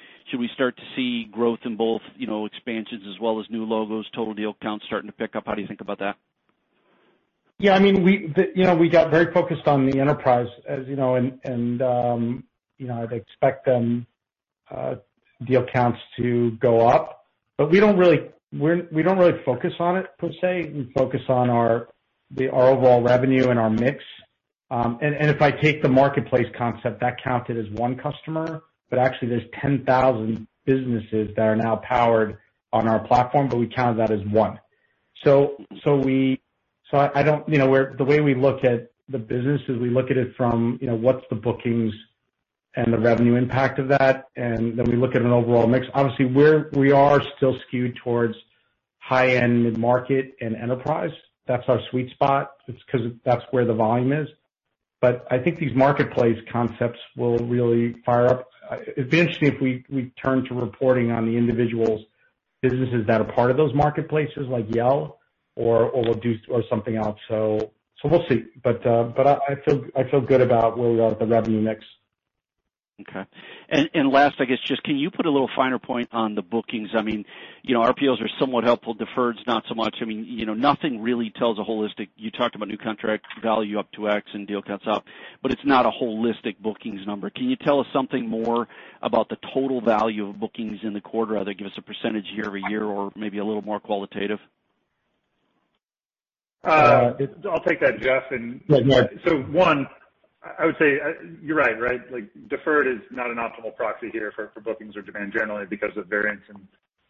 S12: start to see growth in both expansions as well as new logos, total deal counts starting to pick up? How do you think about that?
S3: Yeah, we got very focused on the enterprise, as you know. I'd expect deal counts to go up. We don't really focus on it, per se. We focus on our overall revenue and our mix. If I take the marketplace concept, that counted as one customer, but actually there's 10,000 businesses that are now powered on our platform, but we count that as one. The way we look at the business is we look at it from what's the bookings and the revenue impact of that. We look at an overall mix. Obviously, we are still skewed towards high-end mid-market and enterprise. That's our sweet spot. It's because that's where the volume is. I think these marketplace concepts will really fire up. It'd be interesting if we turn to reporting on the individuals businesses that are part of those marketplaces, like Yell or something else. We'll see. I feel good about where we are at the revenue mix.
S12: Okay. Last, I guess just, can you put a little finer point on the bookings? RPOs are somewhat helpful, deferreds not so much. Nothing really tells a holistic. You talked about new contract value up 2x and deal counts up, but it's not a holistic bookings number. Can you tell us something more about the total value of bookings in the quarter? Either give us a percentage year-over-year or maybe a little more qualitative?
S4: I'll take that, Jeff.
S12: Yeah, go ahead.
S4: One, I would say you're right. Like deferred is not an optimal proxy here for bookings or demand generally because of variance in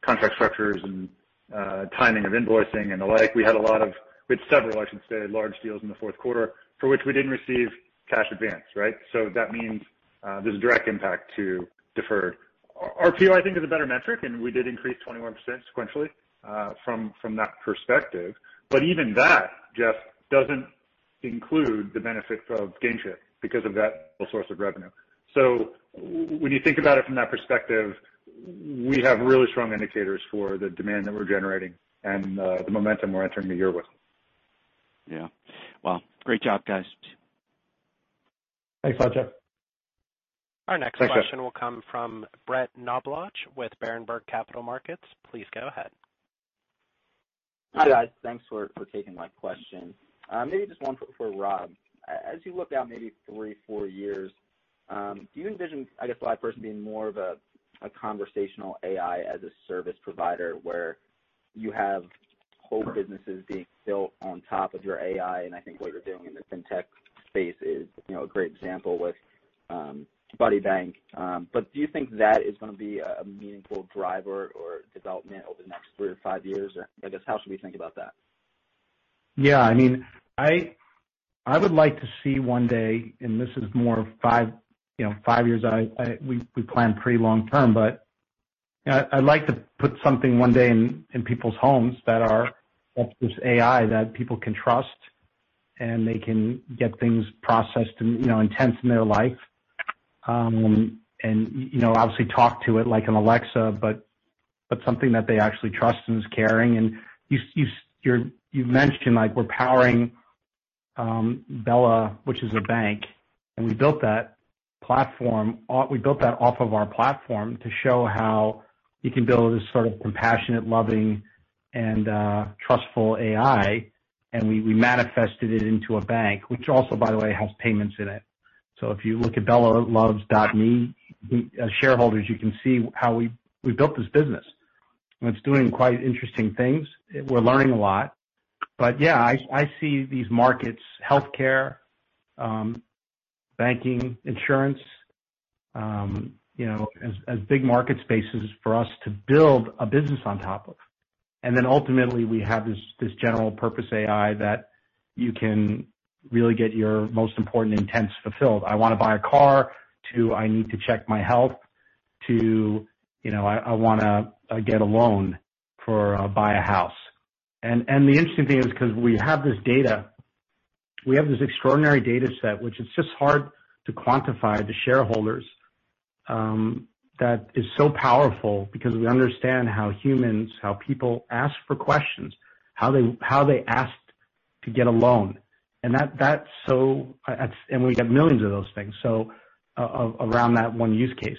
S4: contract structures and timing of invoicing and the like. We had several, I should say, large deals in the fourth quarter for which we didn't receive cash advance. That means there's a direct impact to deferred. RPO, I think, is a better metric, and we did increase 21% sequentially from that perspective. Even that, Jeff, doesn't include the benefit of Gainshare because of that whole source of revenue. When you think about it from that perspective, we have really strong indicators for the demand that we're generating and the momentum we're entering the year with.
S12: Yeah. Great job, guys.
S3: Thanks a lot, Jeff.
S12: Thank you.
S1: Our next question will come from Brett Knoblauch with Berenberg Capital Markets. Please go ahead.
S13: Hi, guys. Thanks for taking my question. Maybe just one for Rob. As you look out maybe three, four years, do you envision, I guess LivePerson being more of a conversational AI as a service provider where you have whole businesses being built on top of your AI? I think what you're doing in the fintech space is a great example with Buddybank. Do you think that is going to be a meaningful driver or development over the next three to five years? I guess, how should we think about that?
S3: Yeah. I would like to see one day, and this is more five years out. We plan pretty long-term, but I'd like to put something one day in people's homes that are this AI that people can trust, and they can get things processed and intents in their life. Obviously talk to it like an Alexa, but something that they actually trust and is caring. You've mentioned we're powering Bella, which is a bank, and we built that off of our platform to show how you can build this sort of compassionate, loving, and trustful AI, and we manifested it into a bank. Which also, by the way, has payments in it. If you look at bellaloves.me, as shareholders, you can see how we built this business. It's doing quite interesting things. We're learning a lot. Yeah, I see these markets, healthcare, banking, insurance, as big market spaces for us to build a business on top of. Ultimately we have this general purpose AI that you can really get your most important intents fulfilled. I want to buy a car to I need to check my health to I want to get a loan for buy a house. The interesting thing is because we have this data, we have this extraordinary data set which is just hard to quantify to shareholders that is so powerful because we understand how humans, how people ask for questions, how they ask to get a loan. We get millions of those things around that one use case.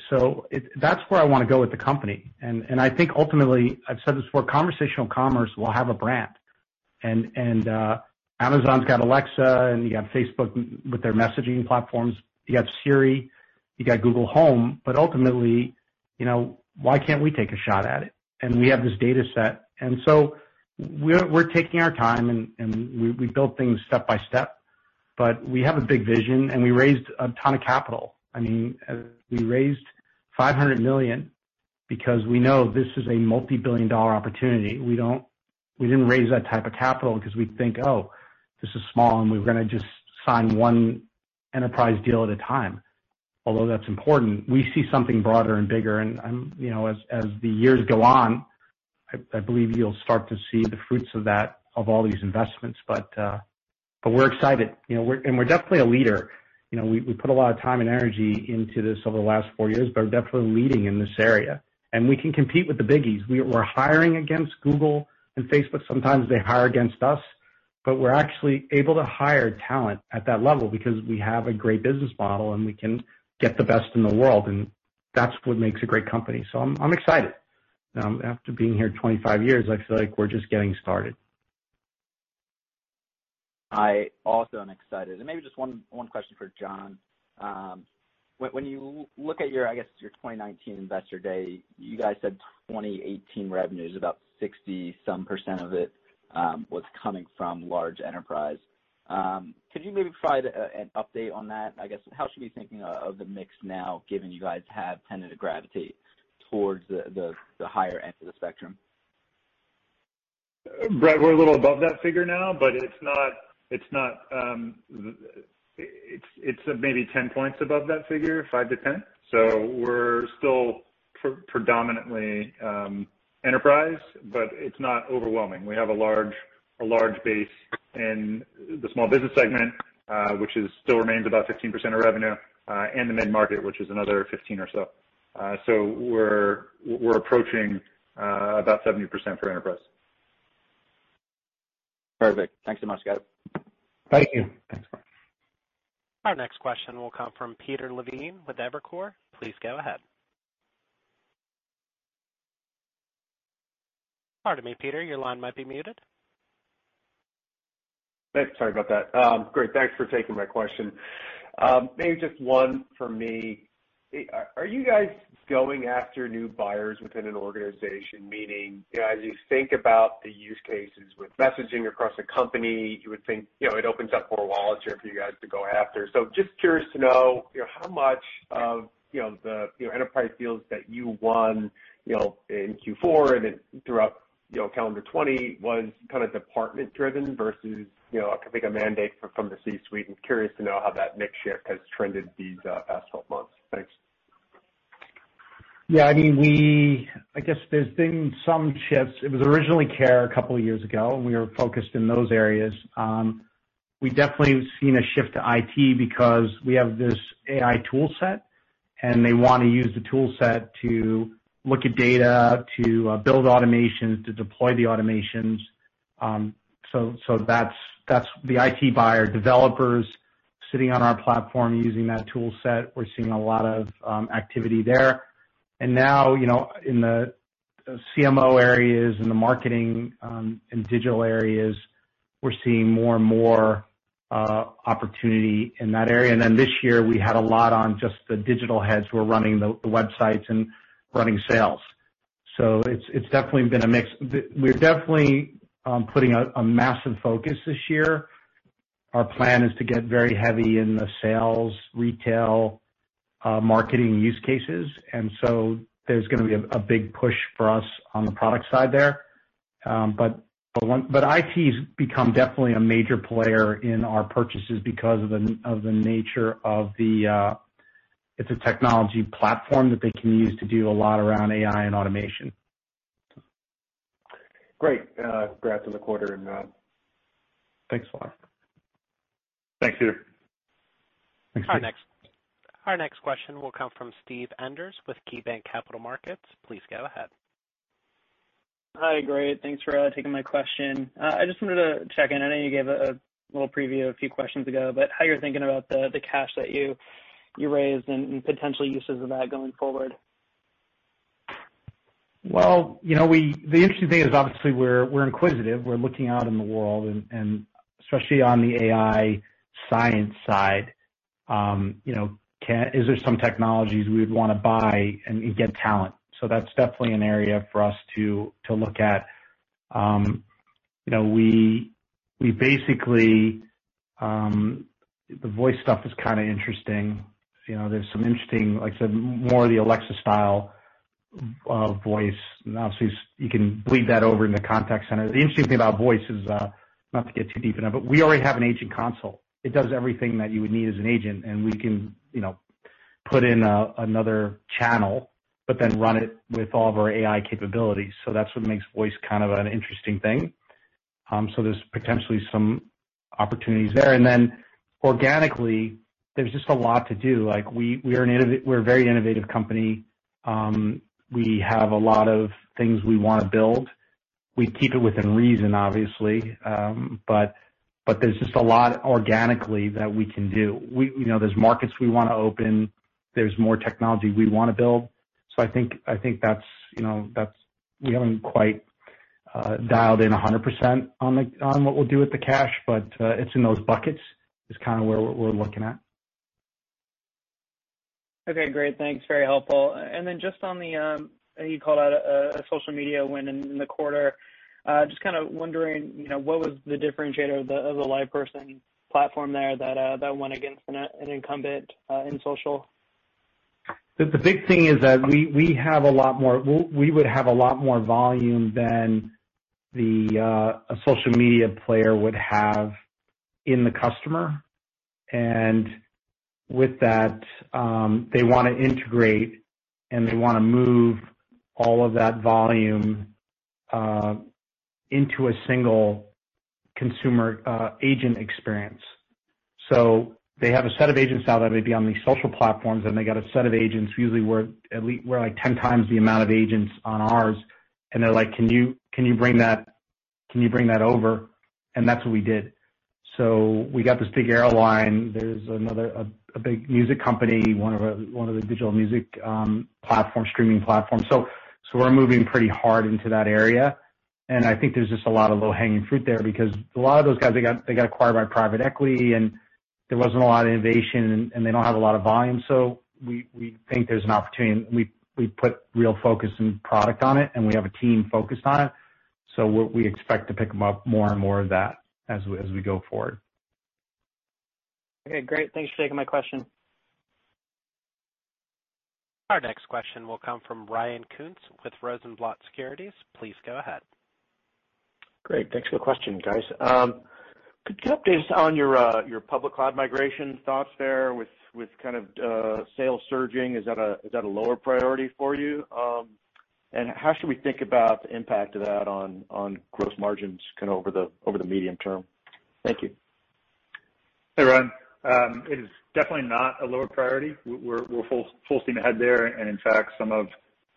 S3: That's where I want to go with the company. I think ultimately, I've said this before, conversational commerce will have a brand. Amazon's got Alexa, and you got Facebook with their messaging platforms. You got Siri, you got Google Home, ultimately why can't we take a shot at it? We have this data set. We're taking our time, and we build things step by step. We have a big vision, and we raised a ton of capital. We raised $500 million because we know this is a multi-billion dollar opportunity. We didn't raise that type of capital because we think, oh, this is small, and we're going to just sign one enterprise deal at a time. Although that's important, we see something broader and bigger. As the years go on, I believe you'll start to see the fruits of all these investments. We're excited. We're definitely a leader. We put a lot of time and energy into this over the last four years, are definitely leading in this area. We can compete with the biggies. We're hiring against Google and Facebook. Sometimes they hire against us, we're actually able to hire talent at that level because we have a great business model, we can get the best in the world, that's what makes a great company. I'm excited. After being here 25 years, I feel like we're just getting started.
S13: I also am excited. Maybe just one question for John. When you look at, I guess, your 2019 Investor Day, you guys said 2018 revenues, about 60-some percent of it, was coming from large enterprise. Could you maybe provide an update on that? I guess how should we be thinking of the mix now, given you guys have tended to gravitate towards the higher end of the spectrum?
S4: Brett, we're a little above that figure now, but it's maybe 10 points above that figure, 5-10. We're still predominantly enterprise, but it's not overwhelming. We have a large base in the small business segment, which still remains about 15% of revenue, and the mid-market, which is another 15 or so. We're approaching about 70% for enterprise.
S13: Perfect. Thanks so much, guys.
S3: Thank you.
S4: Thanks, Brett.
S1: Our next question will come from Peter Levine with Evercore. Please go ahead. Pardon me, Peter. Your line might be muted.
S14: Sorry about that. Great. Thanks for taking my question. Maybe just one for me. Are you guys going after new buyers within an organization? Meaning, as you think about the use cases with messaging across a company, you would think it opens up more wallets here for you guys to go after. Just curious to know how much of the enterprise deals that you won in Q4 and then throughout calendar 2020 was department-driven versus like a mandate from the C-suite. I'm curious to know how that mix shift has trended these past 12 months. Thanks.
S3: Yeah. I guess there's been some shifts. It was originally care a couple of years ago, and we were focused in those areas. We've definitely seen a shift to IT because we have this AI tool set, and they want to use the tool set to look at data, to build automations, to deploy the automations. That's the IT buyer developers sitting on our platform using that tool set. We're seeing a lot of activity there. Now, in the CMO areas, in the marketing and digital areas, we're seeing more and more opportunity in that area. This year we had a lot on just the digital heads who are running the websites and running sales. It's definitely been a mix. We're definitely putting a massive focus this year. Our plan is to get very heavy in the sales, retail, marketing use cases. There's going to be a big push for us on the product side there. IT's become definitely a major player in our purchases because of the nature of the. It's a technology platform that they can use to do a lot around AI and automation.
S14: Great. Congrats on the quarter, and thanks a lot.
S4: Thanks, Peter.
S3: Thanks, Peter.
S1: Our next question will come from Steve Enders with KeyBanc Capital Markets. Please go ahead.
S15: Hi. Great. Thanks for taking my question. I just wanted to check in. I know you gave a little preview a few questions ago, but how you're thinking about the cash that you raised and potential uses of that going forward?
S3: Well, the interesting thing is obviously we're inquisitive. We're looking out in the world, and especially on the AI science side. Is there some technologies we would want to buy and get talent? That's definitely an area for us to look at. The voice stuff is kind of interesting. There's some interesting, like I said, more of the Alexa style of voice. Obviously, you can bleed that over into contact center. The interesting thing about voice is, not to get too deep into it, we already have an agent console. It does everything that you would need as an agent, we can put in another channel, run it with all of our AI capabilities. That's what makes voice kind of an interesting thing. There's potentially some opportunities there. Organically, there's just a lot to do. We're a very innovative company. We have a lot of things we want to build. We keep it within reason, obviously. There's just a lot organically that we can do. There's markets we want to open. There's more technology we want to build. I think we haven't quite dialed in 100% on what we'll do with the cash, but it's in those buckets is kind of where we're looking at.
S15: Okay, great. Thanks. Very helpful. Then just on the, you called out a social media win in the quarter. Just kind of wondering what was the differentiator of the LivePerson platform there that won against an incumbent in social?
S3: The big thing is that we would have a lot more volume than a social media player would have in the customer. With that, they want to integrate and they want to move all of that volume into a single consumer agent experience. They have a set of agents now that may be on these social platforms, and they got a set of agents usually we're like 10x the amount of agents on ours, and they're like, "Can you bring that over?" That's what we did. We got this big airline. There's another, a big music company, one of the digital music streaming platforms. We're moving pretty hard into that area, and I think there's just a lot of low-hanging fruit there because a lot of those guys, they got acquired by private equity, and there wasn't a lot of innovation, and they don't have a lot of volume. We think there's an opportunity. We put real focus and product on it, and we have a team focused on it. We expect to pick up more and more of that as we go forward.
S15: Okay, great. Thanks for taking my question.
S1: Our next question will come from Ryan Koontz with Rosenblatt Securities. Please go ahead.
S16: Great. Thanks for the question, guys. Could you update us on your public cloud migration thoughts there with kind of sales surging? Is that a lower priority for you? How should we think about the impact of that on gross margins kind of over the medium term? Thank you.
S4: Hey, Ryan. It is definitely not a lower priority. We're full steam ahead there, and in fact, some of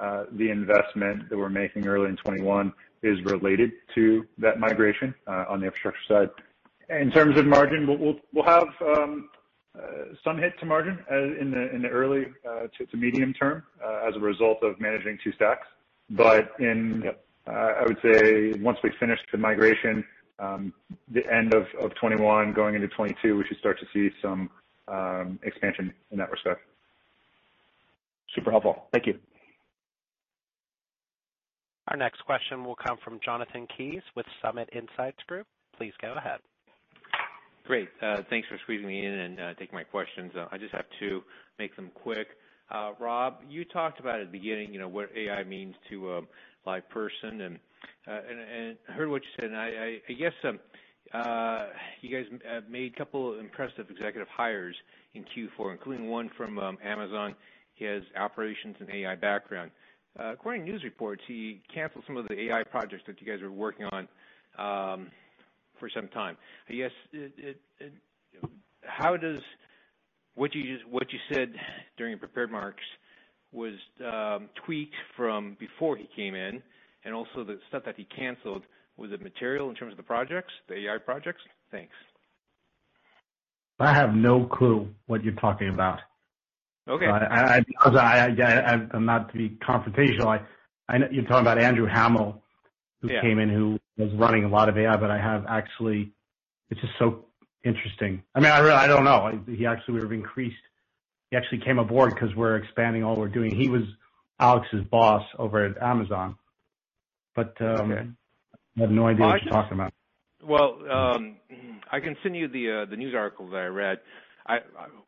S4: the investment that we're making early in 2021 is related to that migration on the infrastructure side. In terms of margin, we'll have some hit to margin in the early to medium-term as a result of managing two stacks. But in.
S16: Yep.
S4: In, I would say once we finish the migration the end of 2021 going into 2022, we should start to see some expansion in that respect.
S16: Super helpful. Thank you.
S1: Our next question will come from Jonathan Kees with Summit Insights Group. Please go ahead.
S17: Great. Thanks for squeezing me in and taking my questions. I just have two, make them quick. Rob, you talked about at the beginning what AI means to LivePerson, and I heard what you said, and I guess you guys have made a couple impressive executive hires in Q4, including one from Amazon. He has operations and AI background. According to news reports, he canceled some of the AI projects that you guys were working on for some time. I guess, how does what you said during your prepared remarks was tweaked from before he came in, and also the stuff that he canceled, was it material in terms of the projects, the AI projects? Thanks.
S3: I have no clue what you're talking about.
S17: Okay.
S3: Not to be confrontational. You're talking about Andrew Hamel. Yeah. Who came in, who was running a lot of AI, but I have actually, this is so interesting. I mean, I really, I don't know. He actually came aboard because we're expanding all we're doing. He was Alex's boss over at Amazon.
S17: Okay.
S3: I have no idea what you're talking about.
S17: Well, I can send you the news article that I read. I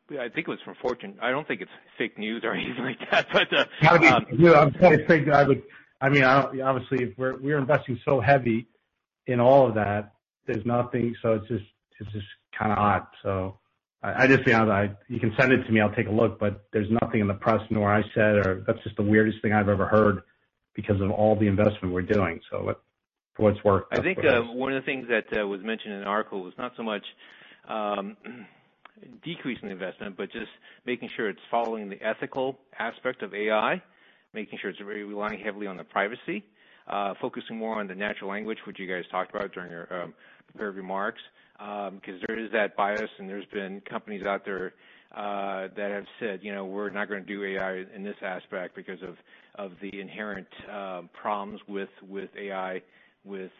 S17: think it was from Fortune. I don't think it's fake news or anything like that.
S3: Yeah, I would say fake. I mean, obviously, we're investing so heavy in all of that. There's nothing. It's just kind of odd. I just, yeah, you can send it to me, I'll take a look, but there's nothing in the press, nor I said, or that's just the weirdest thing I've ever heard because of all the investment we're doing. For what it's worth, that's what I.
S17: I think one of the things that was mentioned in the article was not so much decrease in investment, but just making sure it's following the ethical aspect of AI, making sure it's relying heavily on the privacy, focusing more on the natural language, which you guys talked about during your prepared remarks because there is that bias, and there's been companies out there that have said we're not going to do AI in this aspect because of the inherent problems with AI, with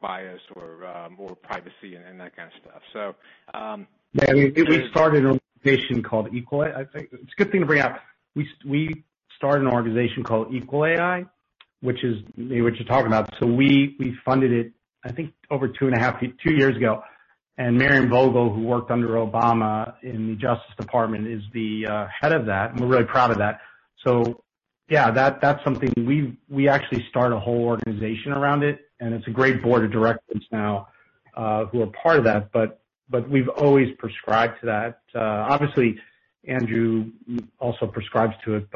S17: bias or privacy and that kind of stuff.
S3: I think it's a good thing to bring up. We started an organization called EqualAI, which is maybe what you're talking about. We funded it, I think, over two years ago, and Miriam Vogel, who worked under Obama in the Justice Department, is the head of that, and we're really proud of that. That's something we actually start a whole organization around it, and it's a great board of directors now who are part of that. We've always prescribed to that. Obviously, Andrew also prescribes to it,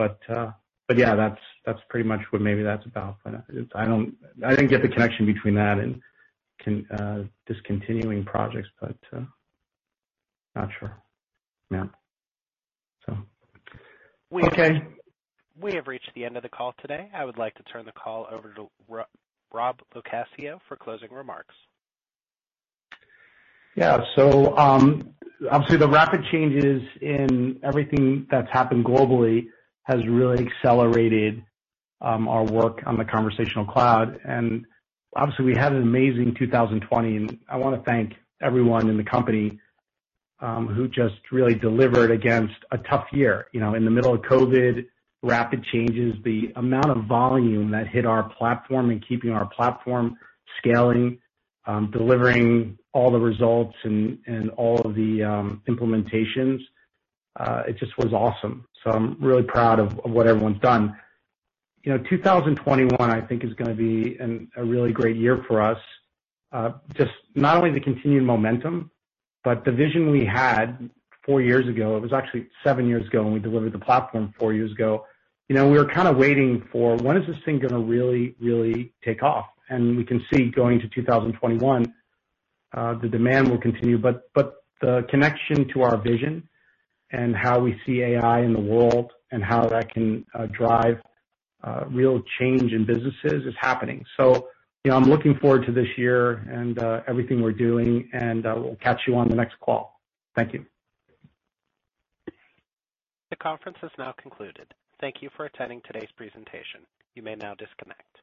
S3: that's pretty much what maybe that's about. I didn't get the connection between that and discontinuing projects, not sure.
S17: Okay.
S1: We have reached the end of the call today. I would like to turn the call over to Rob LoCascio for closing remarks.
S3: Yeah. Obviously the rapid changes in everything that's happened globally has really accelerated our work on the Conversational Cloud, and obviously we had an amazing 2020, and I want to thank everyone in the company who just really delivered against a tough year. In the middle of COVID, rapid changes, the amount of volume that hit our platform and keeping our platform scaling, delivering all the results and all of the implementations, it just was awesome. I'm really proud of what everyone's done. 2021, I think, is going to be a really great year for us. Just not only the continued momentum, but the vision we had four years ago, it was actually seven years ago, and we delivered the platform four years ago. We were kind of waiting for when is this thing going to really, really take off? We can see going to 2021 the demand will continue. The connection to our vision and how we see AI in the world and how that can drive real change in businesses is happening. I'm looking forward to this year and everything we're doing, and we'll catch you on the next call. Thank you.
S1: The conference is now concluded. Thank you for attending today's presentation. You may now disconnect.